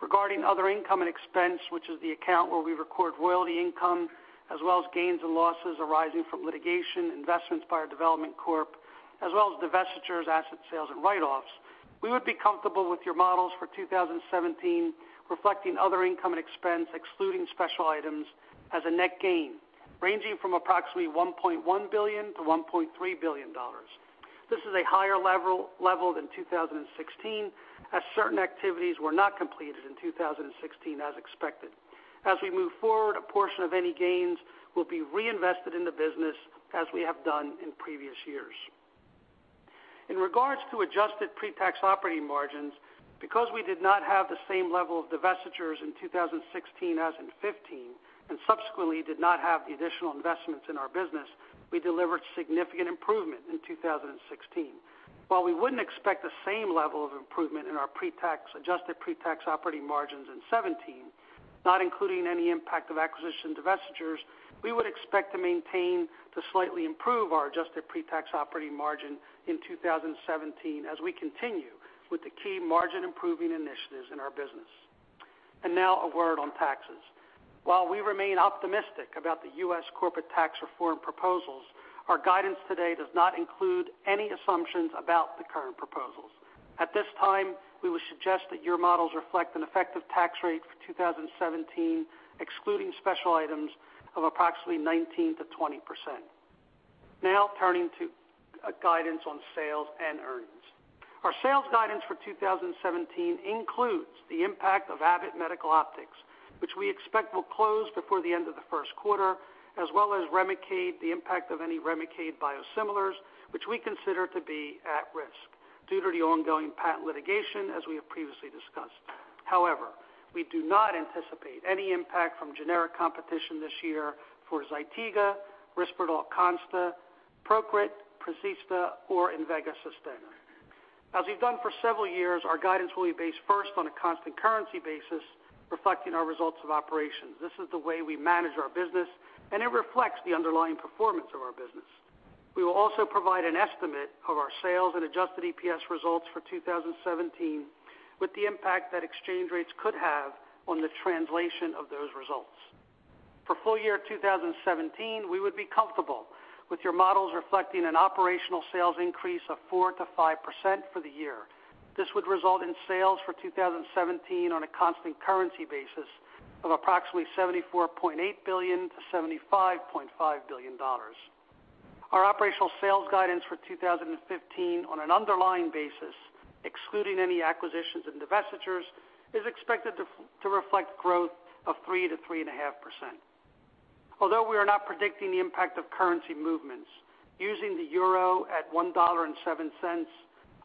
Regarding other income and expense, which is the account where we record royalty income as well as gains and losses arising from litigation, investments by our development corp, as well as divestitures, asset sales, and write-offs, we would be comfortable with your models for 2017 reflecting other income and expense, excluding special items, as a net gain ranging from approximately $1.1 billion-$1.3 billion. This is a higher level than 2016, as certain activities were not completed in 2016 as expected. As we move forward, a portion of any gains will be reinvested in the business as we have done in previous years. In regards to adjusted pre-tax operating margins, because we did not have the same level of divestitures in 2016 as in 2015, and subsequently did not have the additional investments in our business, we delivered significant improvement in 2016. While we wouldn't expect the same level of improvement in our adjusted pre-tax operating margins in 2017, not including any impact of acquisition divestitures, we would expect to maintain to slightly improve our adjusted pre-tax operating margin in 2017 as we continue with the key margin-improving initiatives in our business. Now a word on taxes. While we remain optimistic about the U.S. corporate tax reform proposals, our guidance today does not include any assumptions about the current proposals. At this time, we would suggest that your models reflect an effective tax rate for 2017, excluding special items, of approximately 19%-20%. Now, turning to guidance on sales and earnings. Our sales guidance for 2017 includes the impact of Abbott Medical Optics, which we expect will close before the end of the first quarter, as well as REMICADE, the impact of any REMICADE biosimilars, which we consider to be at risk due to the ongoing patent litigation, as we have previously discussed. However, we do not anticipate any impact from generic competition this year for ZYTIGA, RISPERDAL CONSTA, PROCRIT, PRESTALIA, or INVEGA SUSTENNA. As we've done for several years, our guidance will be based first on a constant currency basis reflecting our results of operations. This is the way we manage our business, and it reflects the underlying performance of our business. We will also provide an estimate of our sales and adjusted EPS results for 2017 with the impact that exchange rates could have on the translation of those results. For full year 2017, we would be comfortable with your models reflecting an operational sales increase of 4%-5% for the year. This would result in sales for 2017 on a constant currency basis of approximately $74.8 billion-$75.5 billion. Our operational sales guidance for 2017 on an underlying basis, excluding any acquisitions and divestitures, is expected to reflect growth of 3%-3.5%. Although we are not predicting the impact of currency movements, using the euro at $1.07,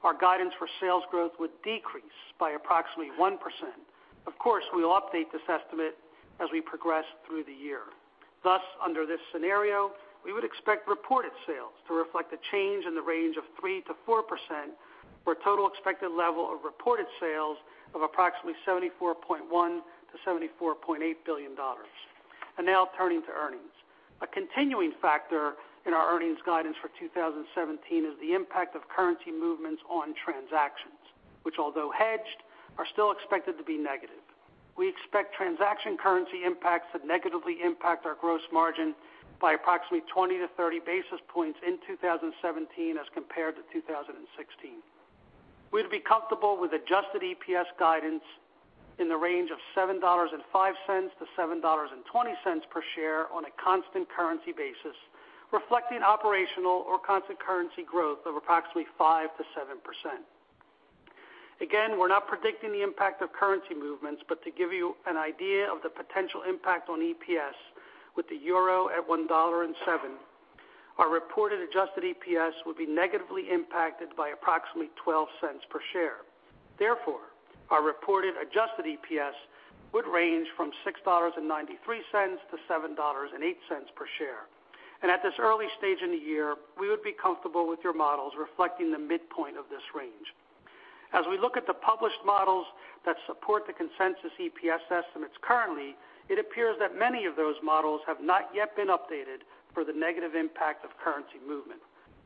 our guidance for sales growth would decrease by approximately 1%. Of course, we will update this estimate as we progress through the year. Under this scenario, we would expect reported sales to reflect a change in the range of 3%-4% for a total expected level of reported sales of approximately $74.1 billion-$74.8 billion. Now turning to earnings. A continuing factor in our earnings guidance for 2017 is the impact of currency movements on transactions, which although hedged, are still expected to be negative. We expect transaction currency impacts that negatively impact our gross margin by approximately 20-30 basis points in 2017 as compared to 2016. We'd be comfortable with adjusted EPS guidance in the range of $7.05-$7.20 per share on a constant currency basis, reflecting operational or constant currency growth of approximately 5%-7%. We're not predicting the impact of currency movements, but to give you an idea of the potential impact on EPS with the euro at $1.07, our reported adjusted EPS would be negatively impacted by approximately $0.12 per share. Our reported adjusted EPS would range from $6.93-$7.08 per share. At this early stage in the year, we would be comfortable with your models reflecting the midpoint of this range. As we look at the published models that support the consensus EPS estimates currently, it appears that many of those models have not yet been updated for the negative impact of currency movement.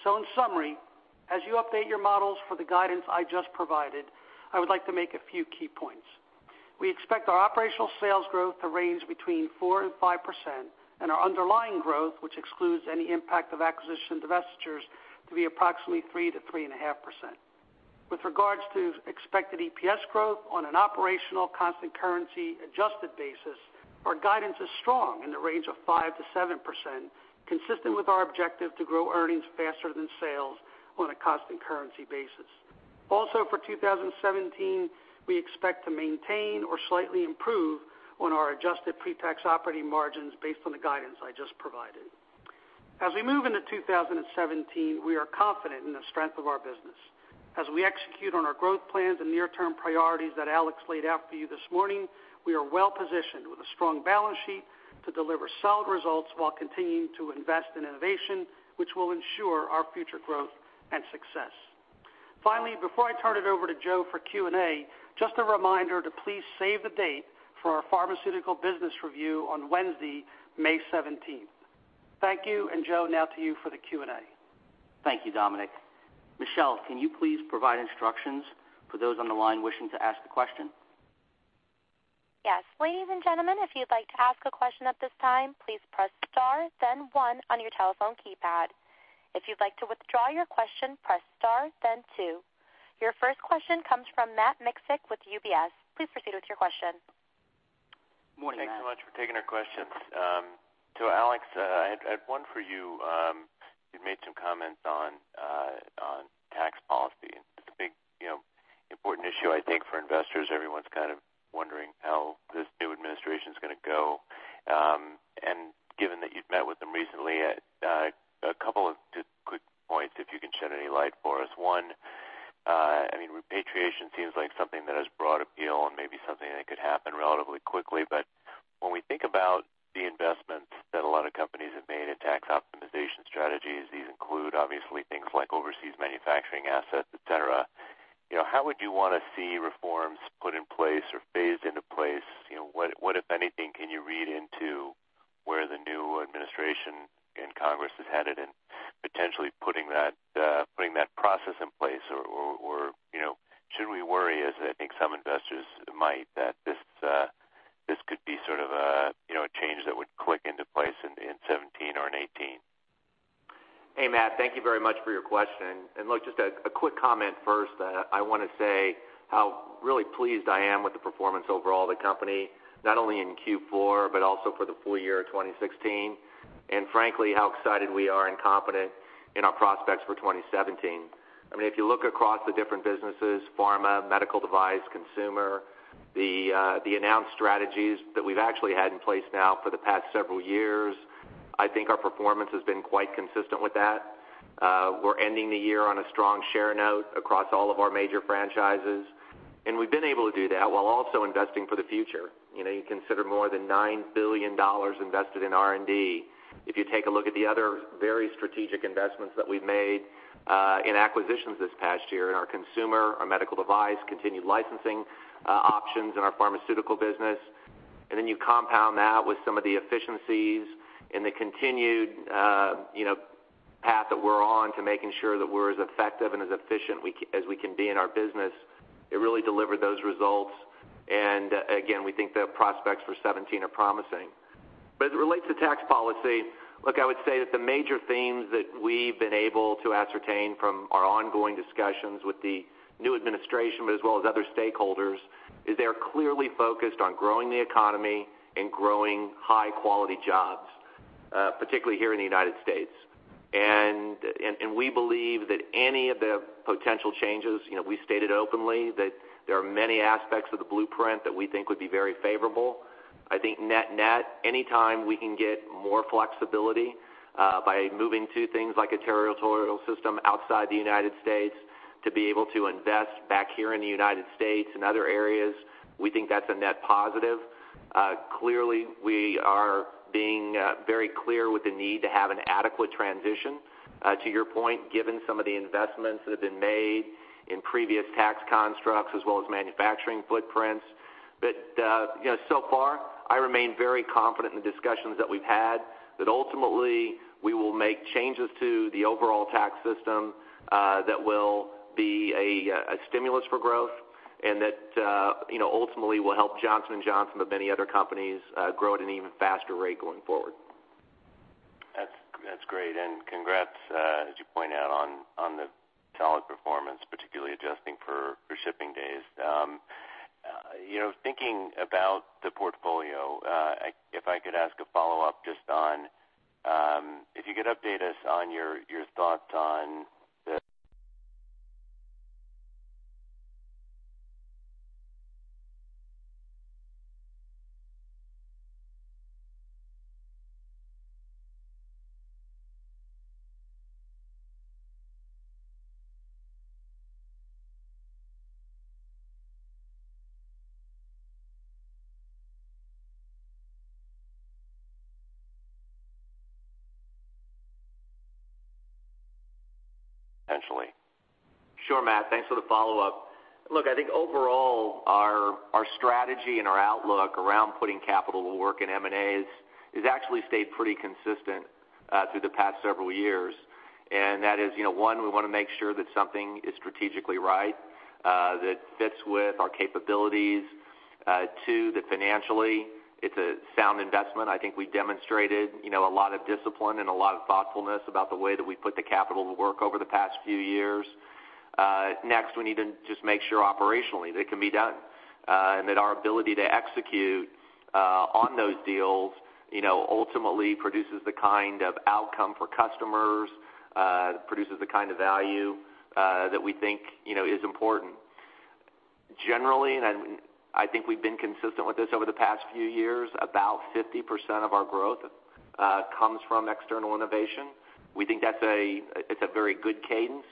In summary, as you update your models for the guidance I just provided, I would like to make a few key points. We expect our operational sales growth to range between 4% and 5%, and our underlying growth, which excludes any impact of acquisition divestitures, to be approximately 3%-3.5%. With regards to expected EPS growth on an operational constant currency adjusted basis, our guidance is strong in the range of 5%-7%, consistent with our objective to grow earnings faster than sales on a constant currency basis. For 2017, we expect to maintain or slightly improve on our adjusted pre-tax operating margins based on the guidance I just provided. As we move into 2017, we are confident in the strength of our business. As we execute on our growth plans and near-term priorities that Alex laid out for you this morning, we are well-positioned with a strong balance sheet to deliver solid results while continuing to invest in innovation, which will ensure our future growth and success. Finally, before I turn it over to Joe for Q&A, just a reminder to please save the date for our pharmaceutical business review on Wednesday, May 17th. Thank you, and Joe, now to you for the Q&A. Thank you, Dominic. Michelle, can you please provide instructions for those on the line wishing to ask the question? Yes. Ladies and gentlemen, if you'd like to ask a question at this time, please press star, then one on your telephone keypad. If you'd like to withdraw your question, press star, then two. Your first question comes from Matt Miksic with UBS. Please proceed with your question. Morning, Matt. Thanks so much for taking our questions. Alex, I had one for you. You've made some comments on tax policy, it's a big important issue, I think, for investors. Everyone's kind of wondering how this new administration's going to go. Given that you've met with them recently, a couple of quick points, if you can shed any light for us. One, repatriation seems like something that has broad appeal and maybe something that could happen relatively quickly. When we think about the investments that a lot of companies have made in tax optimization strategies, these include obviously things like overseas manufacturing assets, et cetera. How would you want to see reforms put in place or phased into place? What, if anything, can you read into where the new administration and Congress is headed in potentially putting that process in place? Should we worry, as I think some investors might, that this could be sort of a change that would click into place in 2017 or in 2018? Hey, Matt, thank you very much for your question. Look, just a quick comment first. I want to say how really pleased I am with the performance overall of the company, not only in Q4, but also for the full year 2016, and frankly, how excited we are and confident in our prospects for 2017. If you look across the different businesses, pharma, medical device, consumer, the announced strategies that we've actually had in place now for the past several years, I think our performance has been quite consistent with that. We're ending the year on a strong share note across all of our major franchises, and we've been able to do that while also investing for the future. You consider more than $9 billion invested in R&D. If you take a look at the other very strategic investments that we've made in acquisitions this past year in our consumer, our medical device, continued licensing options in our pharmaceutical business, and then you compound that with some of the efficiencies and the continued path that we're on to making sure that we're as effective and as efficient as we can be in our business, it really delivered those results, and again, we think the prospects for 2017 are promising. As it relates to tax policy, look, I would say that the major themes that we've been able to ascertain from our ongoing discussions with the new administration, but as well as other stakeholders, is they are clearly focused on growing the economy and growing high-quality jobs, particularly here in the United States. We believe that any of the potential changes, we stated openly that there are many aspects of the blueprint that we think would be very favorable. I think net-net, anytime we can get more flexibility by moving to things like a territorial system outside the United States to be able to invest back here in the United States and other areas, we think that's a net positive. Clearly, we are being very clear with the need to have an adequate transition, to your point, given some of the investments that have been made in previous tax constructs as well as manufacturing footprints. So far, I remain very confident in the discussions that we've had, that ultimately we will make changes to the overall tax system that will be a stimulus for growth and that ultimately will help Johnson & Johnson, but many other companies grow at an even faster rate going forward. That's great. Congrats, as you point out, on the solid performance, particularly adjusting for shipping days. Thinking about the portfolio, if I could ask a follow-up just on, if you could update us on your thoughts on the potentially. Sure, Matt. Thanks for the follow-up. Look, I think overall, our strategy and our outlook around putting capital to work in M&As has actually stayed pretty consistent through the past several years. That is, one, we want to make sure that something is strategically right, that fits with our capabilities. Two, that financially, it's a sound investment. I think we demonstrated a lot of discipline and a lot of thoughtfulness about the way that we put the capital to work over the past few years. Next, we need to just make sure operationally that it can be done, and that our ability to execute on those deals ultimately produces the kind of outcome for customers, produces the kind of value that we think is important. Generally, I think we've been consistent with this over the past few years, about 50% of our growth comes from external innovation. We think that's a very good cadence.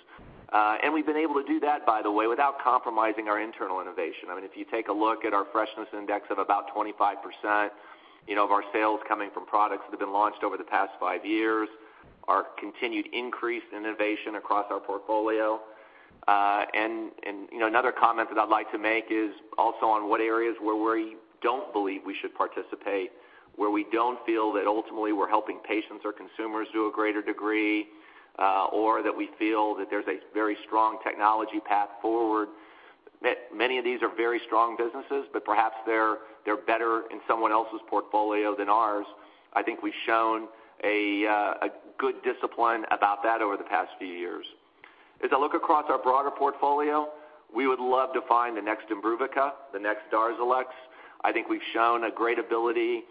We've been able to do that, by the way, without compromising our internal innovation. If you take a look at our freshness index of about 25% of our sales coming from products that have been launched over the past five years, our continued increase in innovation across our portfolio. Another comment that I'd like to make is also on what areas where we don't believe we should participate, where we don't feel that ultimately we're helping patients or consumers to a greater degree, or that we feel that there's a very strong technology path forward. Many of these are very strong businesses, but perhaps they're better in someone else's portfolio than ours. I think we've shown a good discipline about that over the past few years. As I look across our broader portfolio, we would love to find the next IMBRUVICA, the next DARZALEX. I think we've shown a great ability,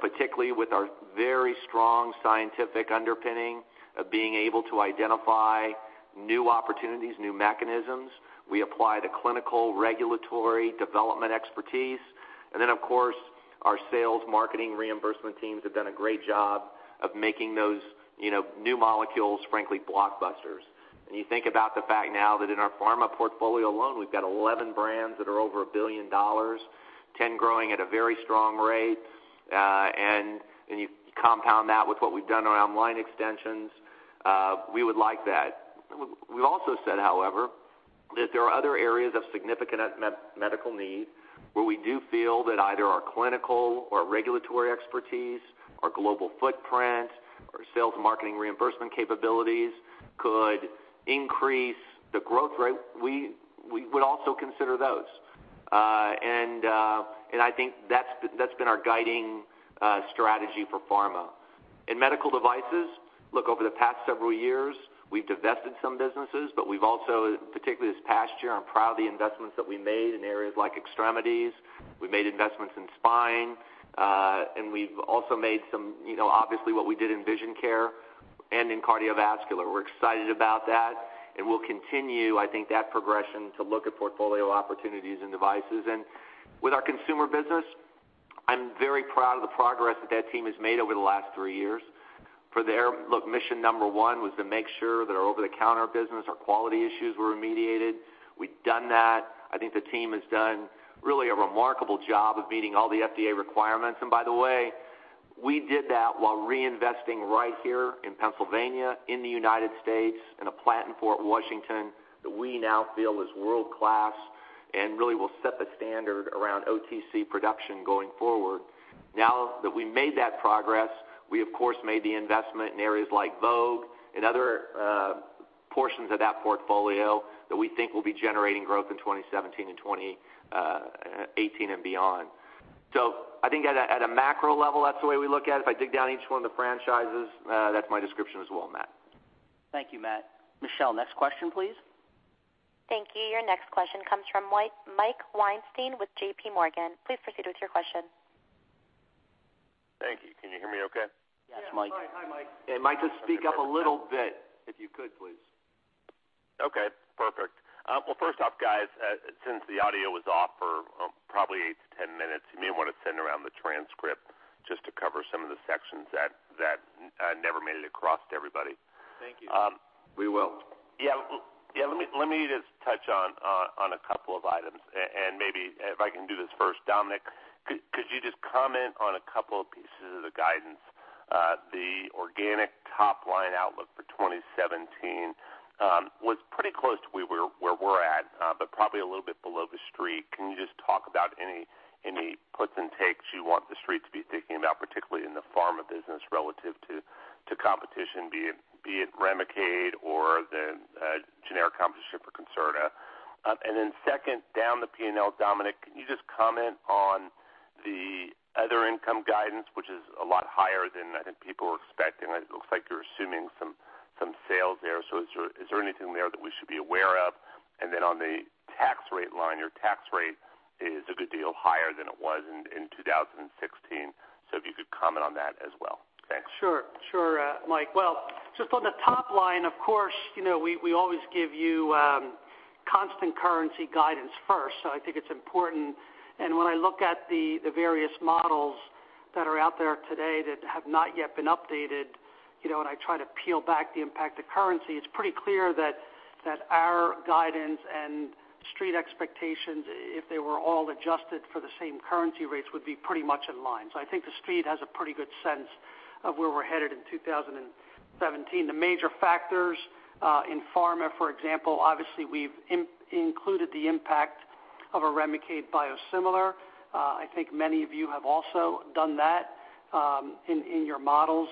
particularly with our very strong scientific underpinning of being able to identify new opportunities, new mechanisms. We apply the clinical regulatory development expertise. Then, of course, our sales marketing reimbursement teams have done a great job of making those new molecules, frankly, blockbusters. You think about the fact now that in our pharma portfolio alone, we've got 11 brands that are over a billion dollars, 10 growing at a very strong rate. You compound that with what we've done around line extensions. We would like that. We've also said, however, that there are other areas of significant medical need where we do feel that either our clinical or regulatory expertise, our global footprint, our sales marketing reimbursement capabilities could increase the growth rate. We would also consider those. I think that's been our guiding strategy for pharma. In medical devices, look, over the past several years, we've divested some businesses, we've also, particularly this past year, I'm proud of the investments that we made in areas like extremities. We made investments in spine, and we've also made obviously what we did in vision care and in cardiovascular. We're excited about that, and we'll continue, I think, that progression to look at portfolio opportunities and devices. With our consumer business, I'm very proud of the progress that team has made over the last three years. Look, mission number 1 was to make sure that our over-the-counter business, our quality issues were remediated. We've done that. I think the team has done really a remarkable job of meeting all the FDA requirements. By the way, we did that while reinvesting right here in Pennsylvania, in the United States, in a plant in Fort Washington that we now feel is world-class and really will set the standard around OTC production going forward. Now that we made that progress, we of course made the investment in areas like Vogue and other portions of that portfolio that we think will be generating growth in 2017 and 2018 and beyond. I think at a macro level, that's the way we look at it. If I dig down each one of the franchises, that's my description as well, Matt. Thank you, Matt. Michelle, next question, please. Thank you. Your next question comes from Mike Weinstein with JPMorgan. Please proceed with your question. Thank you. Can you hear me okay? Yes, Mike. Yeah. Hi, Mike. Mike, just speak up a little bit, if you could, please. Okay, perfect. Well, first off, guys, since the audio was off for probably eight to 10 minutes, you may want to send around the transcript just to cover some of the sections that never made it across to everybody. Thank you. We will. Yeah. Maybe if I can do this first, Dominic, could you just comment on a couple of pieces of the guidance? The organic top-line outlook for 2017 was pretty close to where we're at, probably a little bit below the street. Can you just talk about any puts and takes you want the street to be thinking about, particularly in the pharma business relative to competition, be it REMICADE or the generic competition for CONCERTA? Then second, down the P&L, Dominic, can you just comment on the other income guidance, which is a lot higher than I think people were expecting? It looks like you're assuming some sales there. Is there anything there that we should be aware of? On the tax rate line, your tax rate is a good deal higher than it was in 2016. If you could comment on that as well. Thanks. Sure, Mike. Well, just on the top line, of course, we always give you constant currency guidance first. I think it's important. When I look at the various models that are out there today that have not yet been updated, I try to peel back the impact of currency, it's pretty clear that Our guidance and Street expectations, if they were all adjusted for the same currency rates, would be pretty much in line. I think the Street has a pretty good sense of where we're headed in 2017. The major factors in pharma, for example, obviously we've included the impact of a REMICADE biosimilar. I think many of you have also done that in your models.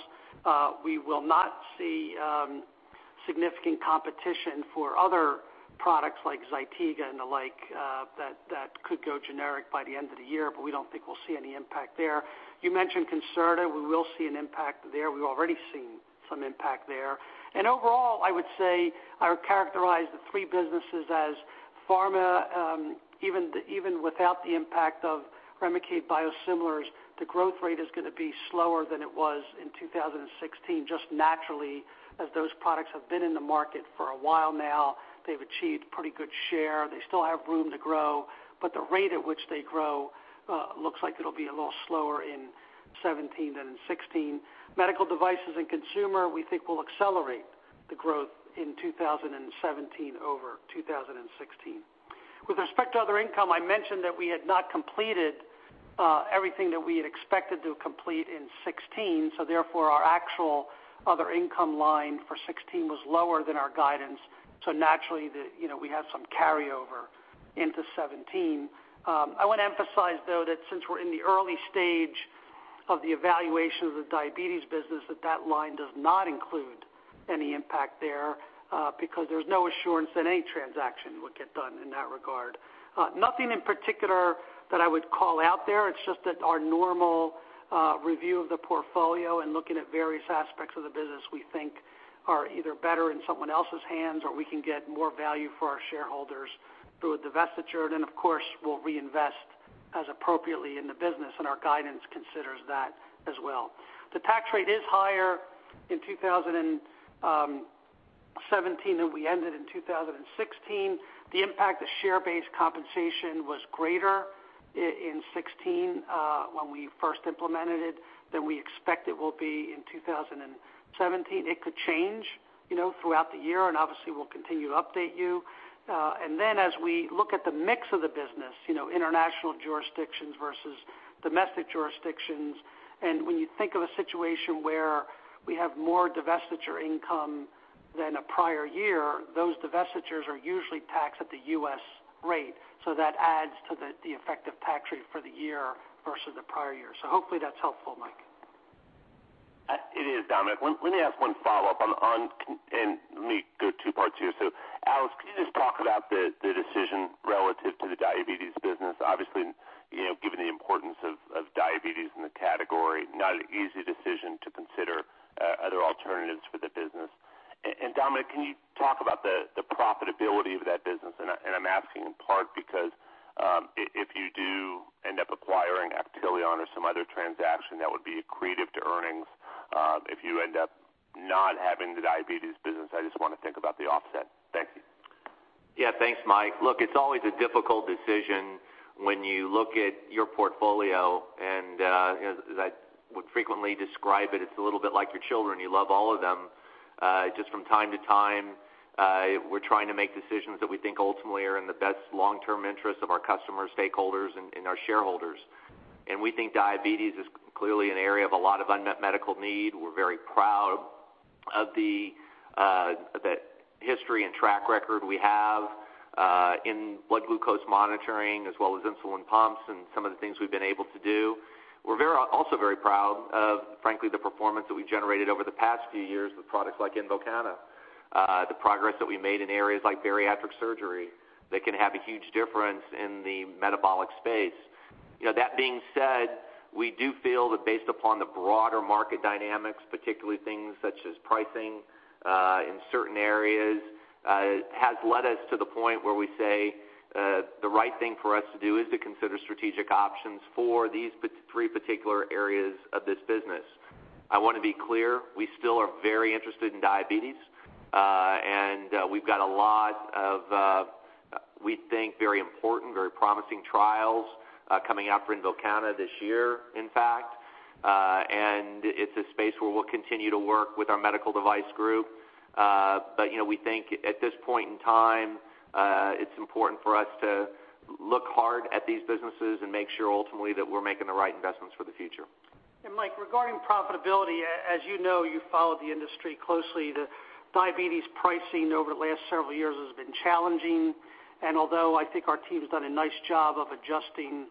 We will not see significant competition for other products like ZYTIGA and the like that could go generic by the end of the year, we don't think we'll see any impact there. You mentioned CONCERTA. We will see an impact there. We've already seen some impact there. Overall, I would say I would characterize the three businesses as pharma, even without the impact of REMICADE biosimilars, the growth rate is going to be slower than it was in 2016 just naturally as those products have been in the market for a while now. They've achieved pretty good share. They still have room to grow, but the rate at which they grow looks like it'll be a little slower in 2017 than in 2016. Medical devices and consumer we think will accelerate the growth in 2017 over 2016. With respect to other income, I mentioned that we had not completed everything that we had expected to complete in 2016, therefore our actual other income line for 2016 was lower than our guidance. Naturally, we have some carryover into 2017. I want to emphasize, though, that since we're in the early stage of the evaluation of the diabetes business, that that line does not include any impact there because there's no assurance that any transaction would get done in that regard. Nothing in particular that I would call out there. It's just that our normal review of the portfolio and looking at various aspects of the business we think are either better in someone else's hands or we can get more value for our shareholders through a divestiture. Of course, we'll reinvest as appropriately in the business, and our guidance considers that as well. The tax rate is higher in 2017 than we ended in 2016. The impact of share-based compensation was greater in 2016 when we first implemented it than we expect it will be in 2017. It could change throughout the year and obviously we'll continue to update you. As we look at the mix of the business, international jurisdictions versus domestic jurisdictions, and when you think of a situation where we have more divestiture income than a prior year, those divestitures are usually taxed at the U.S. rate. That adds to the effective tax rate for the year versus the prior year. Hopefully that's helpful, Mike. It is, Dominic. Let me ask one follow-up on, and let me go two parts here. Alex, can you just talk about the decision relative to the diabetes business? Obviously, given the importance of diabetes in the category, not an easy decision to consider other alternatives for the business. Dominic, can you talk about the profitability of that business? I'm asking in part because if you do end up acquiring Actelion or some other transaction that would be accretive to earnings if you end up not having the diabetes business, I just want to think about the offset. Thank you. Yeah. Thanks, Mike. Look, it's always a difficult decision when you look at your portfolio, and as I would frequently describe it's a little bit like your children. You love all of them. Just from time to time, we're trying to make decisions that we think ultimately are in the best long-term interest of our customers, stakeholders, and our shareholders. We think diabetes is clearly an area of a lot of unmet medical need. We're very proud of the history and track record we have in blood glucose monitoring as well as insulin pumps and some of the things we've been able to do. We're also very proud of, frankly, the performance that we've generated over the past few years with products like INVOKANA. The progress that we made in areas like bariatric surgery that can have a huge difference in the metabolic space. That being said, we do feel that based upon the broader market dynamics, particularly things such as pricing in certain areas has led us to the point where we say the right thing for us to do is to consider strategic options for these three particular areas of this business. I want to be clear, we still are very interested in diabetes, and we've got a lot of, we think very important, very promising trials coming out for INVOKANA this year, in fact. It's a space where we'll continue to work with our medical device group. We think at this point in time, it's important for us to look hard at these businesses and make sure ultimately that we're making the right investments for the future. Mike, regarding profitability, as you know, you followed the industry closely, the diabetes pricing over the last several years has been challenging. Although I think our team's done a nice job of adjusting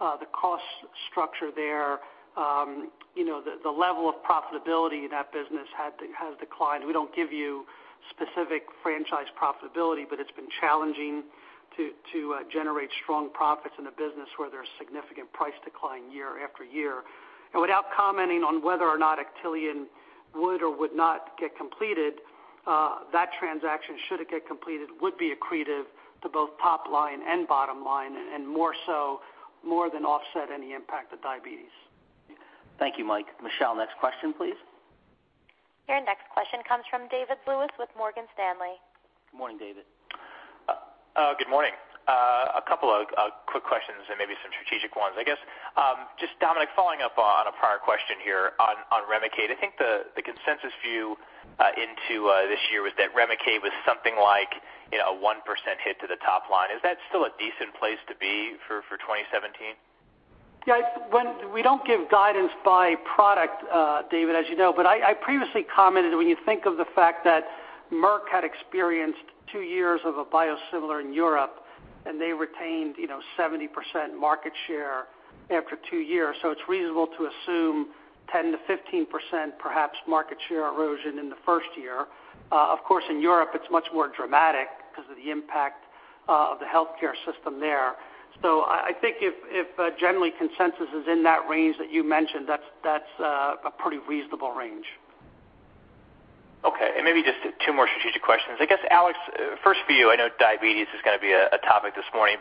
the cost structure there, the level of profitability in that business has declined. We don't give you specific franchise profitability, but it's been challenging to generate strong profits in a business where there's significant price decline year after year. Without commenting on whether or not Actelion would or would not get completed, that transaction, should it get completed, would be accretive to both top line and bottom line, and more so more than offset any impact of diabetes. Thank you, Mike. Michelle, next question, please. Your next question comes from David Lewis with Morgan Stanley. Good morning, David. Good morning. A couple of quick questions and maybe some strategic ones. I guess just, Dominic, following up on a prior question here on REMICADE. I think the consensus view into this year was that REMICADE was something like a 1% hit to the top line. Is that still a decent place to be for 2017? Yeah. We don't give guidance by product, David, as you know. I previously commented, when you think of the fact that Merck had experienced two years of a biosimilar in Europe and they retained 70% market share after two years, it's reasonable to assume 10%-15% perhaps market share erosion in the first year. Of course, in Europe, it's much more dramatic because of the impact of the healthcare system there. I think if generally consensus is in that range that you mentioned, that's a pretty reasonable range. Okay, maybe just two more strategic questions. I guess, Alex, first for you, I know diabetes is going to be a topic this morning,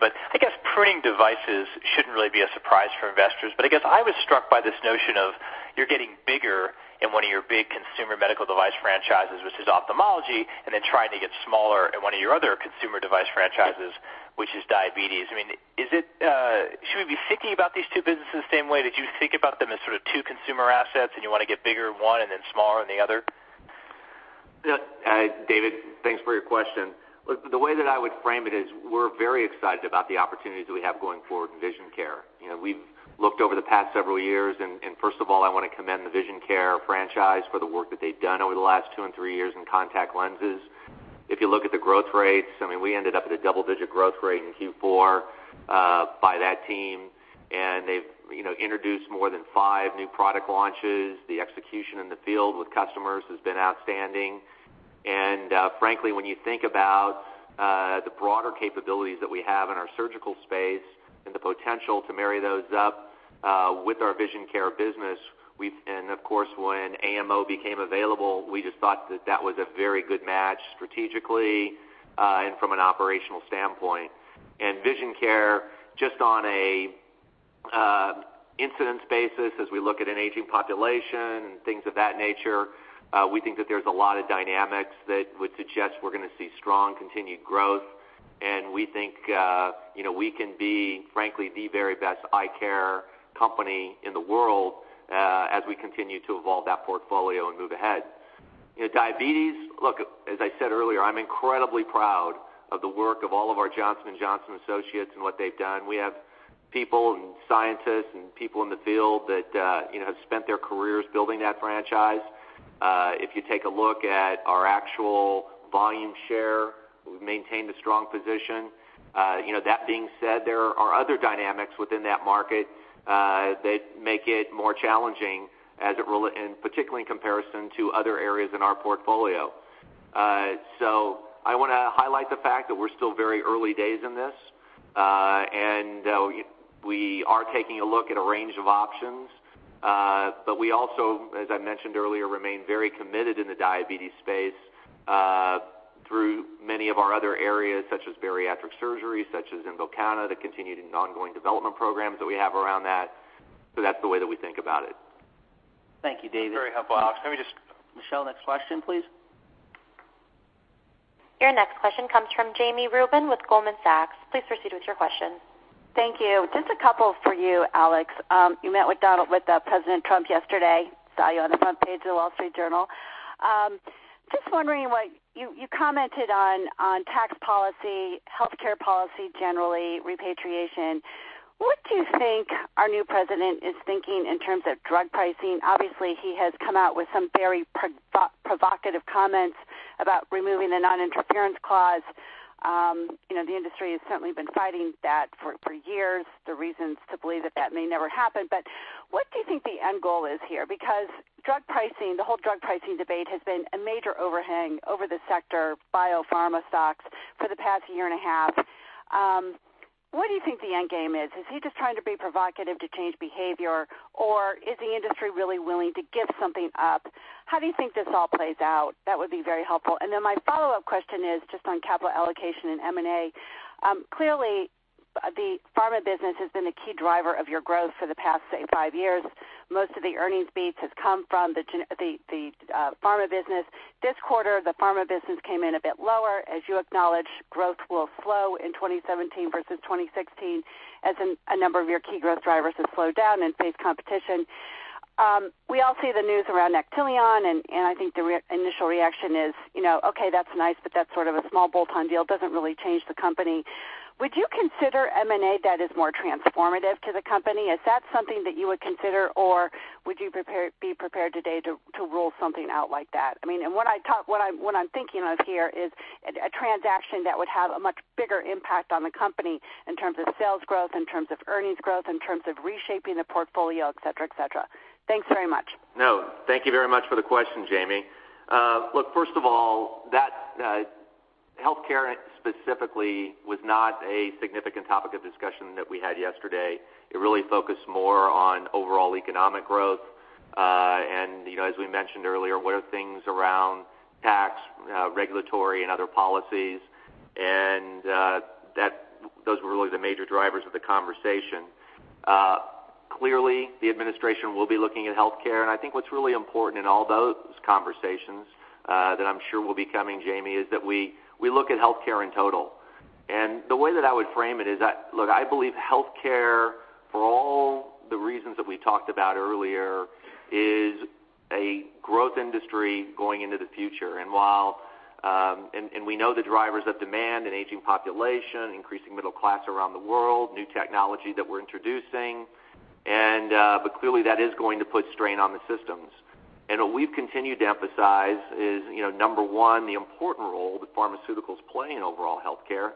pruning devices shouldn't really be a surprise for investors. I guess I was struck by this notion of you're getting bigger in one of your big consumer medical device franchises, which is ophthalmology, then trying to get smaller in one of your other consumer device franchises, which is diabetes. Should we be thinking about these two businesses the same way that you think about them as sort of two consumer assets, you want to get bigger in one then smaller in the other? David, thanks for your question. The way that I would frame it is we're very excited about the opportunities that we have going forward in vision care. We've looked over the past several years, and first of all, I want to commend the vision care franchise for the work that they've done over the last two and three years in contact lenses. If you look at the growth rates, we ended up at a double-digit growth rate in Q4 by that team, and they've introduced more than five new product launches. The execution in the field with customers has been outstanding. Frankly, when you think about the broader capabilities that we have in our surgical space and the potential to marry those up with our vision care business, of course, when AMO became available, we just thought that that was a very good match strategically and from an operational standpoint. Vision care, just on an incidence basis, as we look at an aging population and things of that nature, we think that there's a lot of dynamics that would suggest we're going to see strong continued growth. We think we can be, frankly, the very best eye care company in the world as we continue to evolve that portfolio and move ahead. Diabetes, as I said earlier, I'm incredibly proud of the work of all of our Johnson & Johnson associates and what they've done. We have people and scientists and people in the field that have spent their careers building that franchise. If you take a look at our actual volume share, we've maintained a strong position. That being said, there are other dynamics within that market that make it more challenging, and particularly in comparison to other areas in our portfolio. I want to highlight the fact that we're still very early days in this. We are taking a look at a range of options. We also, as I mentioned earlier, remain very committed in the diabetes space through many of our other areas, such as bariatric surgery, such as INVOKANA, the continued and ongoing development programs that we have around that. That's the way that we think about it. Thank you, David. That's very helpful, Alex. Michelle, next question, please. Your next question comes from Jami Rubin with Goldman Sachs. Please proceed with your question. Thank you. Just a couple for you, Alex. You met with President Trump yesterday. Saw you on the front page of The Wall Street Journal. Just wondering, you commented on tax policy, healthcare policy, generally, repatriation. What do you think our new president is thinking in terms of drug pricing? Obviously, he has come out with some very provocative comments about removing the non-interference clause. The industry has certainly been fighting that for years. There are reasons to believe that that may never happen. What do you think the end goal is here? The whole drug pricing debate has been a major overhang over the sector, biopharma stocks, for the past year and a half. What do you think the end game is? Is he just trying to be provocative to change behavior, or is the industry really willing to give something up? How do you think this all plays out? That would be very helpful. Then my follow-up question is just on capital allocation and M&A. Clearly, the pharma business has been a key driver of your growth for the past, say, five years. Most of the earnings beats has come from the pharma business. This quarter, the pharma business came in a bit lower. As you acknowledged, growth will slow in 2017 versus 2016 as a number of your key growth drivers have slowed down and face competition. We all see the news around Actelion, and I think the initial reaction is, "Okay, that's nice, but that's sort of a small bolt-on deal. Doesn't really change the company." Would you consider M&A that is more transformative to the company? Is that something that you would consider, or would you be prepared today to rule something out like that? What I'm thinking of here is a transaction that would have a much bigger impact on the company in terms of sales growth, in terms of earnings growth, in terms of reshaping the portfolio, et cetera. Thanks very much. No. Thank you very much for the question, Jami. Look, first of all, healthcare specifically was not a significant topic of discussion that we had yesterday. It really focused more on overall economic growth, as we mentioned earlier, what are things around tax, regulatory, and other policies. Those were really the major drivers of the conversation. Clearly, the administration will be looking at healthcare. I think what's really important in all those conversations that I'm sure will be coming, Jami, is that we look at healthcare in total. The way that I would frame it is that, look, I believe healthcare, for all the reasons that we talked about earlier, is a growth industry going into the future. We know the drivers of demand, an aging population, increasing middle class around the world, new technology that we're introducing. Clearly, that is going to put strain on the systems. What we've continued to emphasize is, number 1, the important role that pharmaceuticals play in overall healthcare.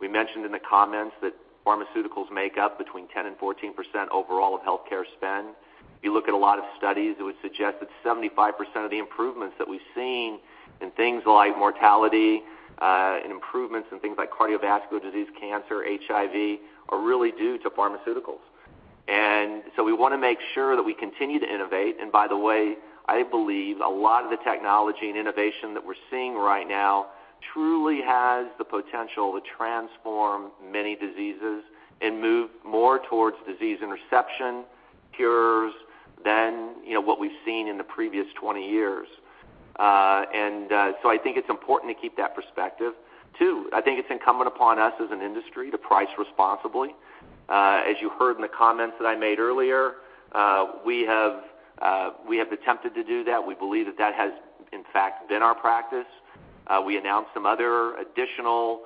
We mentioned in the comments that pharmaceuticals make up between 10%-14% overall of healthcare spend. If you look at a lot of studies, it would suggest that 75% of the improvements that we've seen in things like mortality and improvements in things like cardiovascular disease, cancer, HIV, are really due to pharmaceuticals. We want to make sure that we continue to innovate. By the way, I believe a lot of the technology and innovation that we're seeing right now truly has the potential to transform many diseases and move more towards disease interception, cures than what we've seen in the previous 20 years. I think it's important to keep that perspective. I think it's incumbent upon us as an industry to price responsibly. As you heard in the comments that I made earlier, we have attempted to do that. We believe that that has in fact, been our practice. We announced some other additional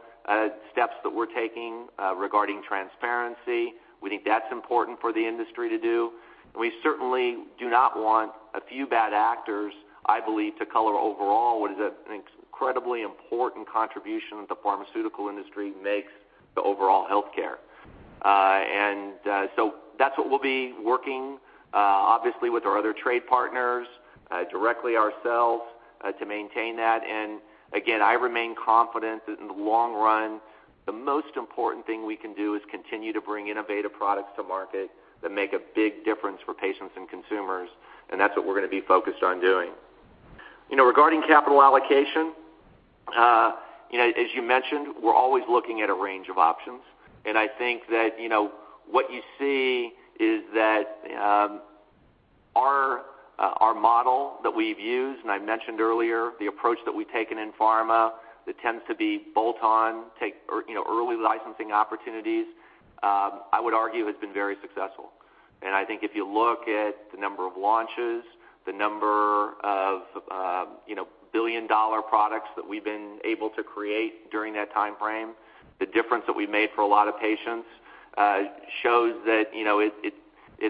steps that we're taking regarding transparency. We think that's important for the industry to do, and we certainly do not want a few bad actors, I believe, to color overall what is an incredibly important contribution that the pharmaceutical industry makes to overall healthcare. That's what we'll be working, obviously, with our other trade partners, directly ourselves, to maintain that. Again, I remain confident that in the long run, the most important thing we can do is continue to bring innovative products to market that make a big difference for patients and consumers, and that's what we're going to be focused on doing. Regarding capital allocation, as you mentioned, we're always looking at a range of options. I think that what you see is that our model that we've used, I mentioned earlier, the approach that we've taken in pharma that tends to be bolt-on, take early licensing opportunities, I would argue has been very successful. I think if you look at the number of launches, the number of billion-dollar products that we've been able to create during that timeframe, the difference that we've made for a lot of patients shows that it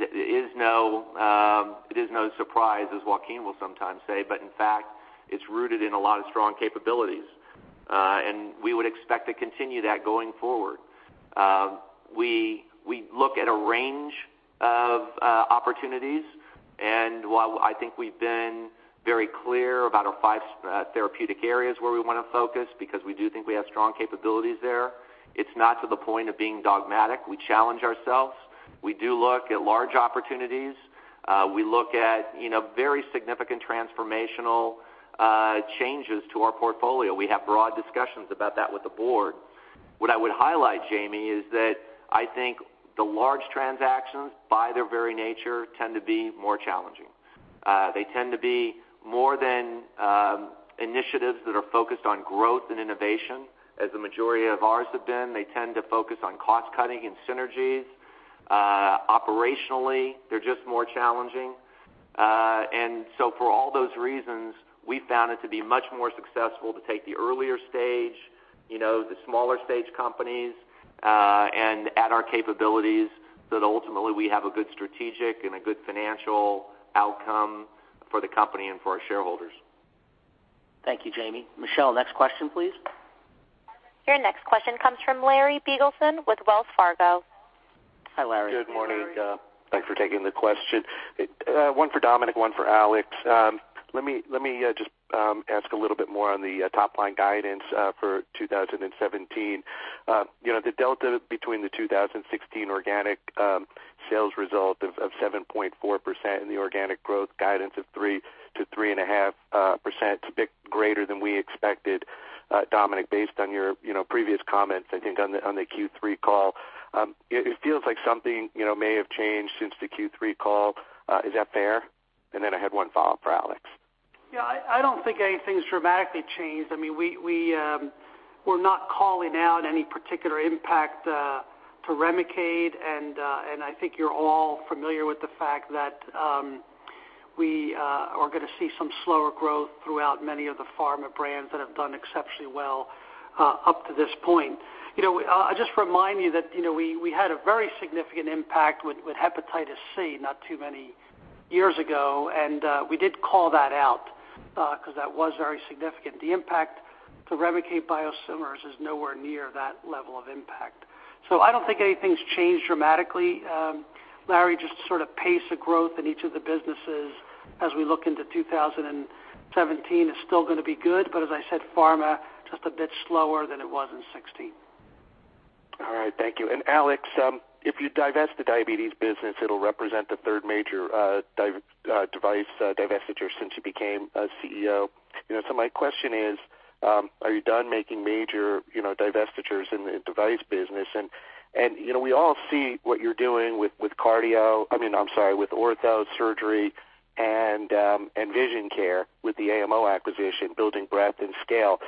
is no surprise, as Joaquin will sometimes say, but in fact, it's rooted in a lot of strong capabilities. We would expect to continue that going forward. We look at a range of opportunities. While I think we've been very clear about our five therapeutic areas where we want to focus because we do think we have strong capabilities there, it's not to the point of being dogmatic. We challenge ourselves. We do look at large opportunities. We look at very significant transformational changes to our portfolio. We have broad discussions about that with the board. What I would highlight, Jami, is that I think the large transactions, by their very nature, tend to be more challenging. They tend to be more than initiatives that are focused on growth and innovation, as the majority of ours have been. They tend to focus on cost-cutting and synergies. Operationally, they're just more challenging. For all those reasons, we found it to be much more successful to take the earlier stage, the smaller stage companies, add our capabilities that ultimately we have a good strategic and a good financial outcome for the company and for our shareholders. Thank you, Jami. Michelle, next question, please. Your next question comes from Larry Biegelsen with Wells Fargo. Hi, Larry. Good morning. Thanks for taking the question. One for Dominic, one for Alex. Let me just ask a little bit more on the top-line guidance for 2017. The delta between the 2016 organic sales result of 7.4% and the organic growth guidance of 3%-3.5% is a bit greater than we expected, Dominic, based on your previous comments, I think on the Q3 call. It feels like something may have changed since the Q3 call. Is that fair? I had one follow-up for Alex. I don't think anything's dramatically changed. We're not calling out any particular impact to REMICADE, and I think you're all familiar with the fact that we are going to see some slower growth throughout many of the pharma brands that have done exceptionally well up to this point. I'll just remind you that we had a very significant impact with hepatitis C not too many years ago, and we did call that out because that was very significant. The impact to REMICADE biosimilars is nowhere near that level of impact. I don't think anything's changed dramatically, Larry, just sort of pace of growth in each of the businesses as we look into 2017 is still going to be good. As I said, pharma, just a bit slower than it was in 2016. All right, thank you. Alex, if you divest the diabetes business, it'll represent the third major device divestiture since you became CEO. My question is, are you done making major divestitures in the device business? We all see what you're doing with ortho, surgery, and vision care with the AMO acquisition, building breadth and scale.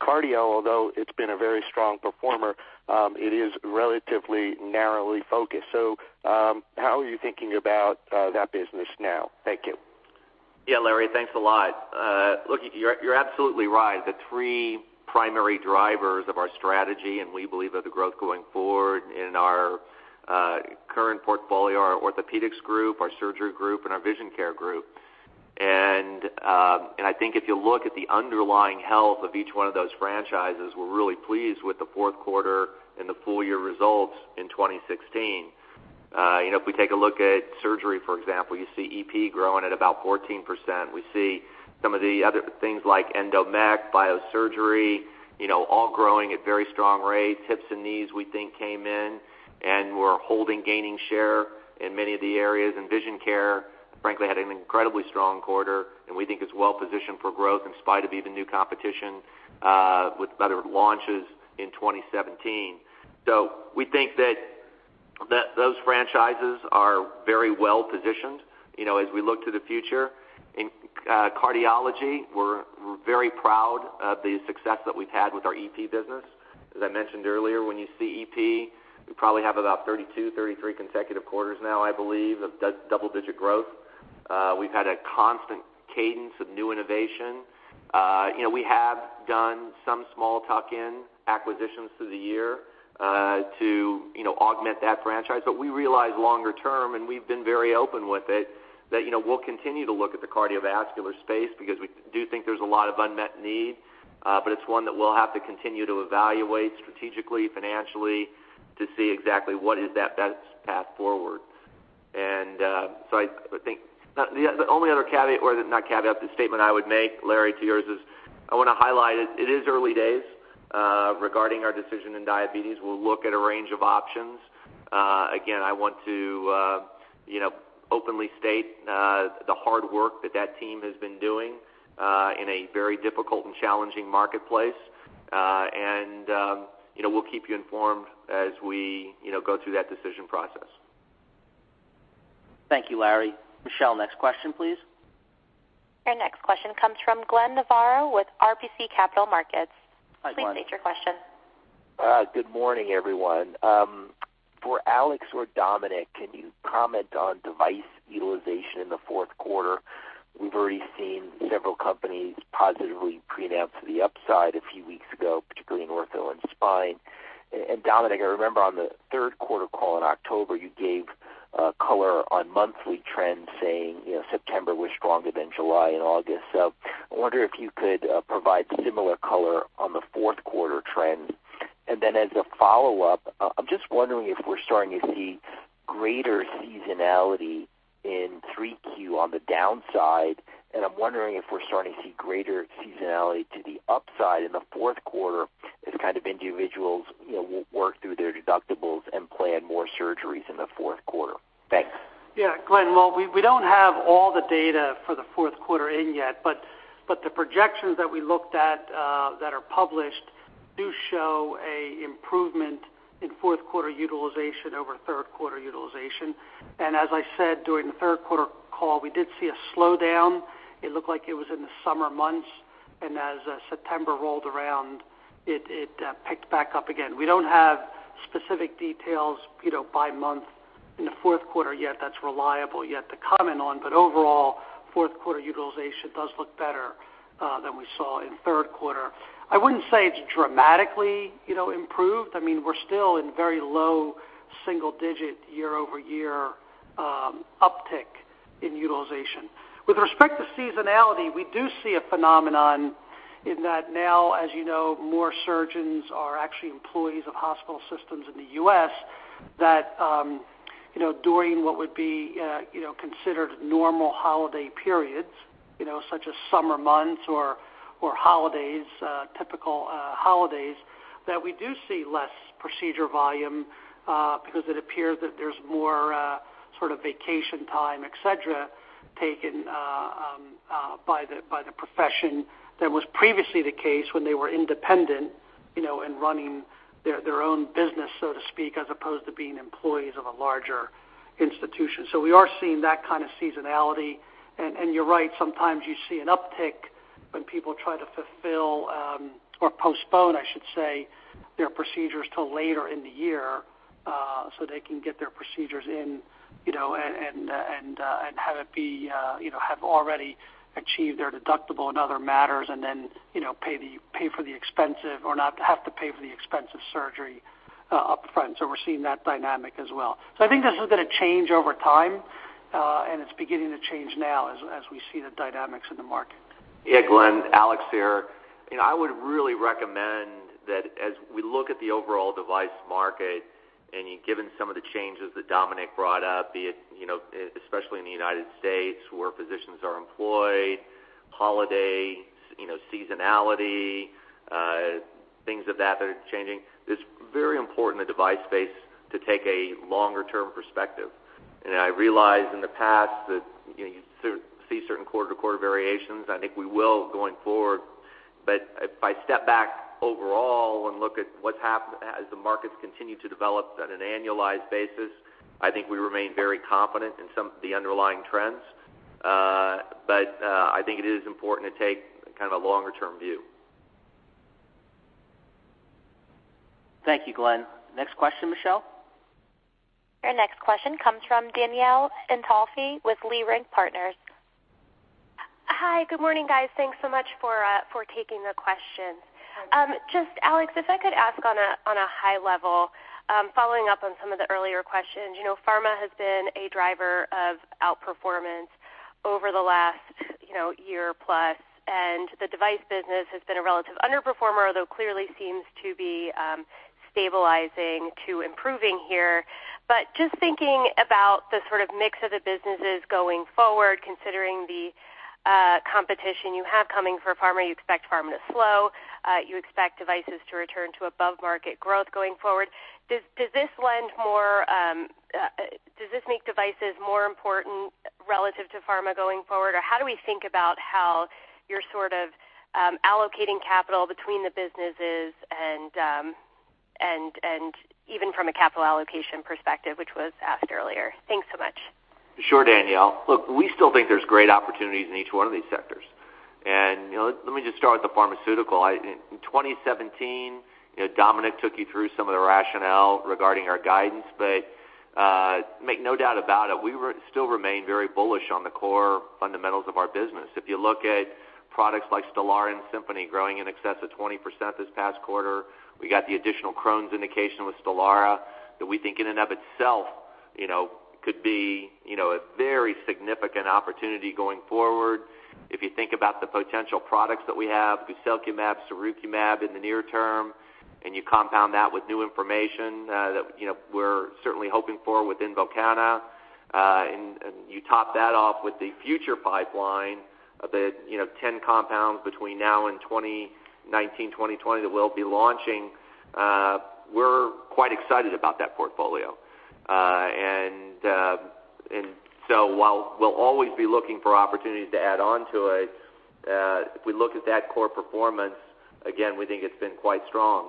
Cardio, although it's been a very strong performer, it is relatively narrowly focused. How are you thinking about that business now? Thank you. Yeah, Larry, thanks a lot. Look, you're absolutely right. The three primary drivers of our strategy, and we believe are the growth going forward in our current portfolio, are our Orthopedics Group, our Surgery Group, and our Vision Care Group. If you look at the underlying health of each one of those franchises, we're really pleased with the fourth quarter and the full-year results in 2016. If we take a look at Surgery, for example, you see EP growing at about 14%. We see some of the other things like Endo Mechanical, Biosurgery, all growing at very strong rates. Hips and knees, we think, came in, and we're holding gaining share in many of the areas. Vision Care, frankly, had an incredibly strong quarter and we think is well-positioned for growth in spite of even new competition with other launches in 2017. We think that those franchises are very well-positioned as we look to the future. In cardiology, we're very proud of the success that we've had with our EP business. As I mentioned earlier, when you see EP, we probably have about 32, 33 consecutive quarters now, I believe, of double-digit growth. We've had a constant cadence of new innovation. We have done some small tuck-in acquisitions through the year to augment that franchise. We realize longer-term, and we've been very open with it, that we'll continue to look at the cardiovascular space because we do think there's a lot of unmet need. It's one that we'll have to continue to evaluate strategically, financially to see exactly what is that best path forward. I think the only other caveat, or not caveat, the statement I would make, Larry, to yours is, I want to highlight it is early days regarding our decision in diabetes. We'll look at a range of options. Again, I want to openly state the hard work that team has been doing in a very difficult and challenging marketplace. We'll keep you informed as we go through that decision process. Thank you, Larry. Michelle, next question, please. Your next question comes from Glenn Novarro with RBC Capital Markets. Hi, Glenn. Please state your question. Good morning, everyone. For Alex or Dominic, can you comment on device utilization in the fourth quarter? We've already seen several companies positively preannounce the upside a few weeks ago, particularly in ortho and spine. Dominic, I remember on the third quarter call in October, you gave color on monthly trends saying September was stronger than July and August. I wonder if you could provide similar color on the fourth quarter trends. As a follow-up, I'm just wondering if we're starting to see greater seasonality in 3Q on the downside, and I'm wondering if we're starting to see greater seasonality to the upside in the fourth quarter as kind of individuals work through their deductibles and plan more surgeries in the fourth quarter. Thanks. Yeah, Glenn. Well, we don't have all the data for the fourth quarter in yet, but the projections that we looked at that are published do show an improvement in fourth quarter utilization over third quarter utilization. As I said during the third quarter call, we did see a slowdown. It looked like it was in the summer months, and as September rolled around, it picked back up again. We don't have specific details by month in the fourth quarter yet that's reliable yet to comment on. Overall, fourth quarter utilization does look better than we saw in the third quarter. I wouldn't say it's dramatically improved. We're still in very low single digit year-over-year uptick in utilization. With respect to seasonality, we do see a phenomenon in that now, as you know, more surgeons are actually employees of hospital systems in the U.S. that during what would be considered normal holiday periods, such as summer months or typical holidays, that we do see less procedure volume because it appears that there's more sort of vacation time, et cetera, taken by the profession than was previously the case when they were independent and running their own business, so to speak, as opposed to being employees of a larger institution. We are seeing that kind of seasonality. You're right, sometimes you see an uptick when people try to fulfill or postpone, I should say, their procedures till later in the year, so they can get their procedures in and have already achieved their deductible and other matters and then not have to pay for the expensive surgery upfront. We're seeing that dynamic as well. I think this is going to change over time, and it's beginning to change now as we see the dynamics in the market. Yeah, Glenn, Alex here. I would really recommend that as we look at the overall device market and you give and see that Dominic brought up, especially in the U.S. where physicians are employed, holiday, seasonality, things of that that are changing. It's very important in the device space to take a longer-term perspective. I realize in the past that you see certain quarter-to-quarter variations. I think we will going forward. If I step back overall and look at what's happened as the markets continue to develop on an annualized basis, I think we remain very confident in some of the underlying trends. I think it is important to take kind of a longer-term view. Thank you, Glenn. Next question, Michelle. Your next question comes from Danielle Antalffy with Leerink Partners. Hi. Good morning, guys. Thanks so much for taking the questions. Hi. Alex, if I could ask on a high level, following up on some of the earlier questions. Pharma has been a driver of outperformance over the last year-plus, and the device business has been a relative underperformer, although clearly seems to be stabilizing to improving here. Just thinking about the sort of mix of the businesses going forward, considering the competition you have coming for pharma. You expect pharma to slow. You expect devices to return to above-market growth going forward. Does this make devices more important relative to pharma going forward? How do we think about how you're sort of allocating capital between the businesses and even from a capital allocation perspective, which was asked earlier? Thanks so much. Sure, Danielle. Look, we still think there's great opportunities in each one of these sectors. Let me just start with the pharmaceutical. In 2017, Dominic took you through some of the rationale regarding our guidance, make no doubt about it, we still remain very bullish on the core fundamentals of our business. If you look at products like STELARA and SIMPONI growing in excess of 20% this past quarter, we got the additional Crohn's indication with STELARA that we think in and of itself could be a very significant opportunity going forward. If you think about the potential products that we have, guselkumab, sirukumab in the near term, you compound that with new information that we're certainly hoping for within INVOKANA, you top that off with the future pipeline of the 10 compounds between now and 2019, 2020 that we'll be launching. We're quite excited about that portfolio. While we'll always be looking for opportunities to add on to it, if we look at that core performance, again, we think it's been quite strong.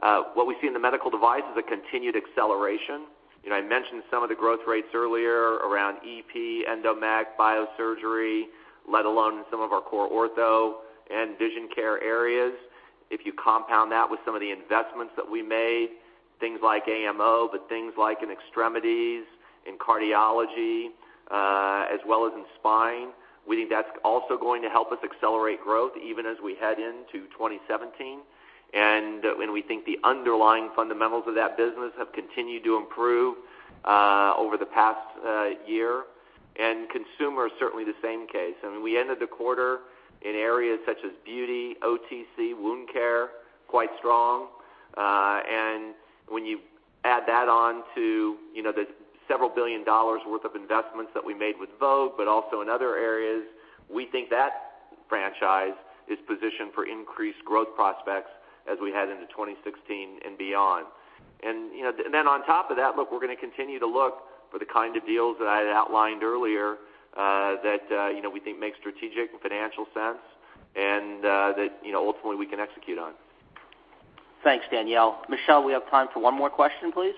What we see in the medical device is a continued acceleration. I mentioned some of the growth rates earlier around EP, Endo Mechanical, Biosurgery, let alone some of our core ortho and vision care areas. If you compound that with some of the investments that we made, things like AMO, things like in extremities, in cardiology, as well as in spine, we think that's also going to help us accelerate growth even as we head into 2017. We think the underlying fundamentals of that business have continued to improve over the past year. Consumer is certainly the same case. I mean, we ended the quarter in areas such as beauty, OTC, wound care, quite strong. When you add that on to the several billion dollars worth of investments that we made with Vogue, but also in other areas, we think that franchise is positioned for increased growth prospects as we head into 2016 and beyond. Then on top of that, look, we're going to continue to look for the kind of deals that I had outlined earlier that we think make strategic and financial sense and that ultimately we can execute on. Thanks, Danielle. Michelle, we have time for one more question, please.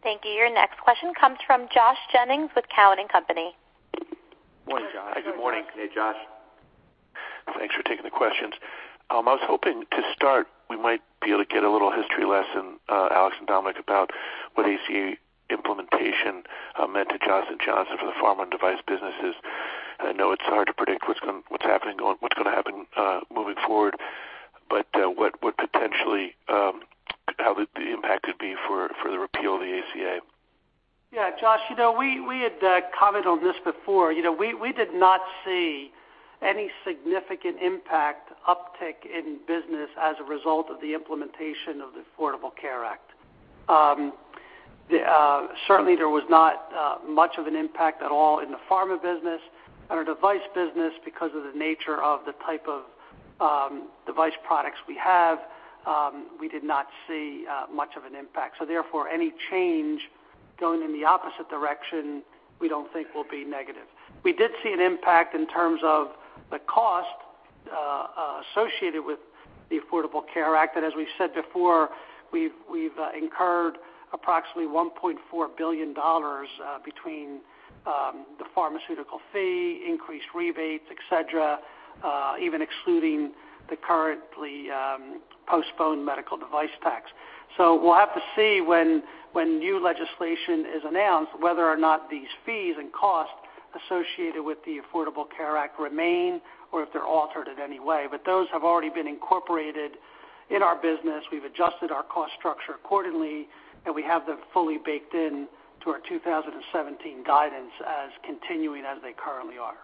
Thank you. Your next question comes from Josh Jennings with Cowen and Company. Morning, Josh. Good morning. Hey, Josh. Thanks for taking the questions. I was hoping to start, we might be able to get a little history lesson Alex and Dominic, about what ACA implementation meant to Johnson & Johnson for the pharma and device businesses. I know it's hard to predict what's going to happen moving forward, but what potentially could the impact be for the repeal of the ACA? Yeah, Josh, we had commented on this before. We did not see any significant impact uptick in business as a result of the implementation of the Affordable Care Act. Certainly, there was not much of an impact at all in the pharma business. On our device business, because of the nature of the type of device products we have, we did not see much of an impact. Therefore, any change going in the opposite direction, we don't think will be negative. We did see an impact in terms of the cost associated with the Affordable Care Act that as we've said before, we've incurred approximately $1.4 billion between the pharmaceutical fee, increased rebates, et cetera, even excluding the currently postponed medical device tax. We'll have to see when new legislation is announced, whether or not these fees and costs associated with the Affordable Care Act remain or if they're altered in any way. Those have already been incorporated in our business. We've adjusted our cost structure accordingly, and we have them fully baked in to our 2017 guidance as continuing as they currently are.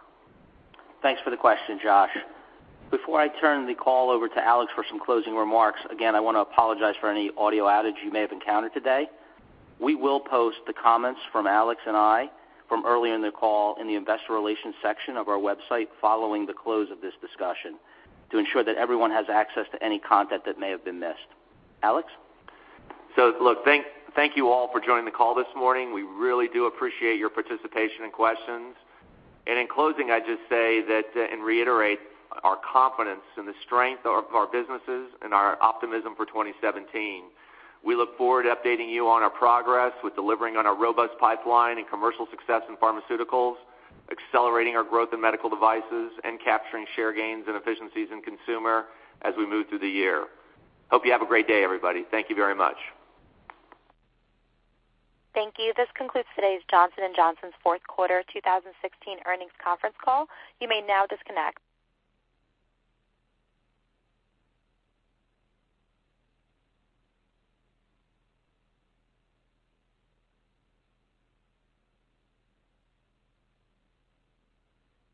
Thanks for the question, Josh. Before I turn the call over to Alex for some closing remarks, again, I want to apologize for any audio outage you may have encountered today. We will post the comments from Alex and I from early in the call in the investor relations section of our website following the close of this discussion to ensure that everyone has access to any content that may have been missed. Alex? Look, thank you all for joining the call this morning. We really do appreciate your participation and questions. In closing, I'd just say that and reiterate our confidence in the strength of our businesses and our optimism for 2017. We look forward to updating you on our progress with delivering on our robust pipeline and commercial success in pharmaceuticals, accelerating our growth in medical devices, and capturing share gains and efficiencies in consumer as we move through the year. Hope you have a great day, everybody. Thank you very much. Thank you. This concludes today's Johnson & Johnson's fourth quarter 2016 earnings conference call. You may now disconnect.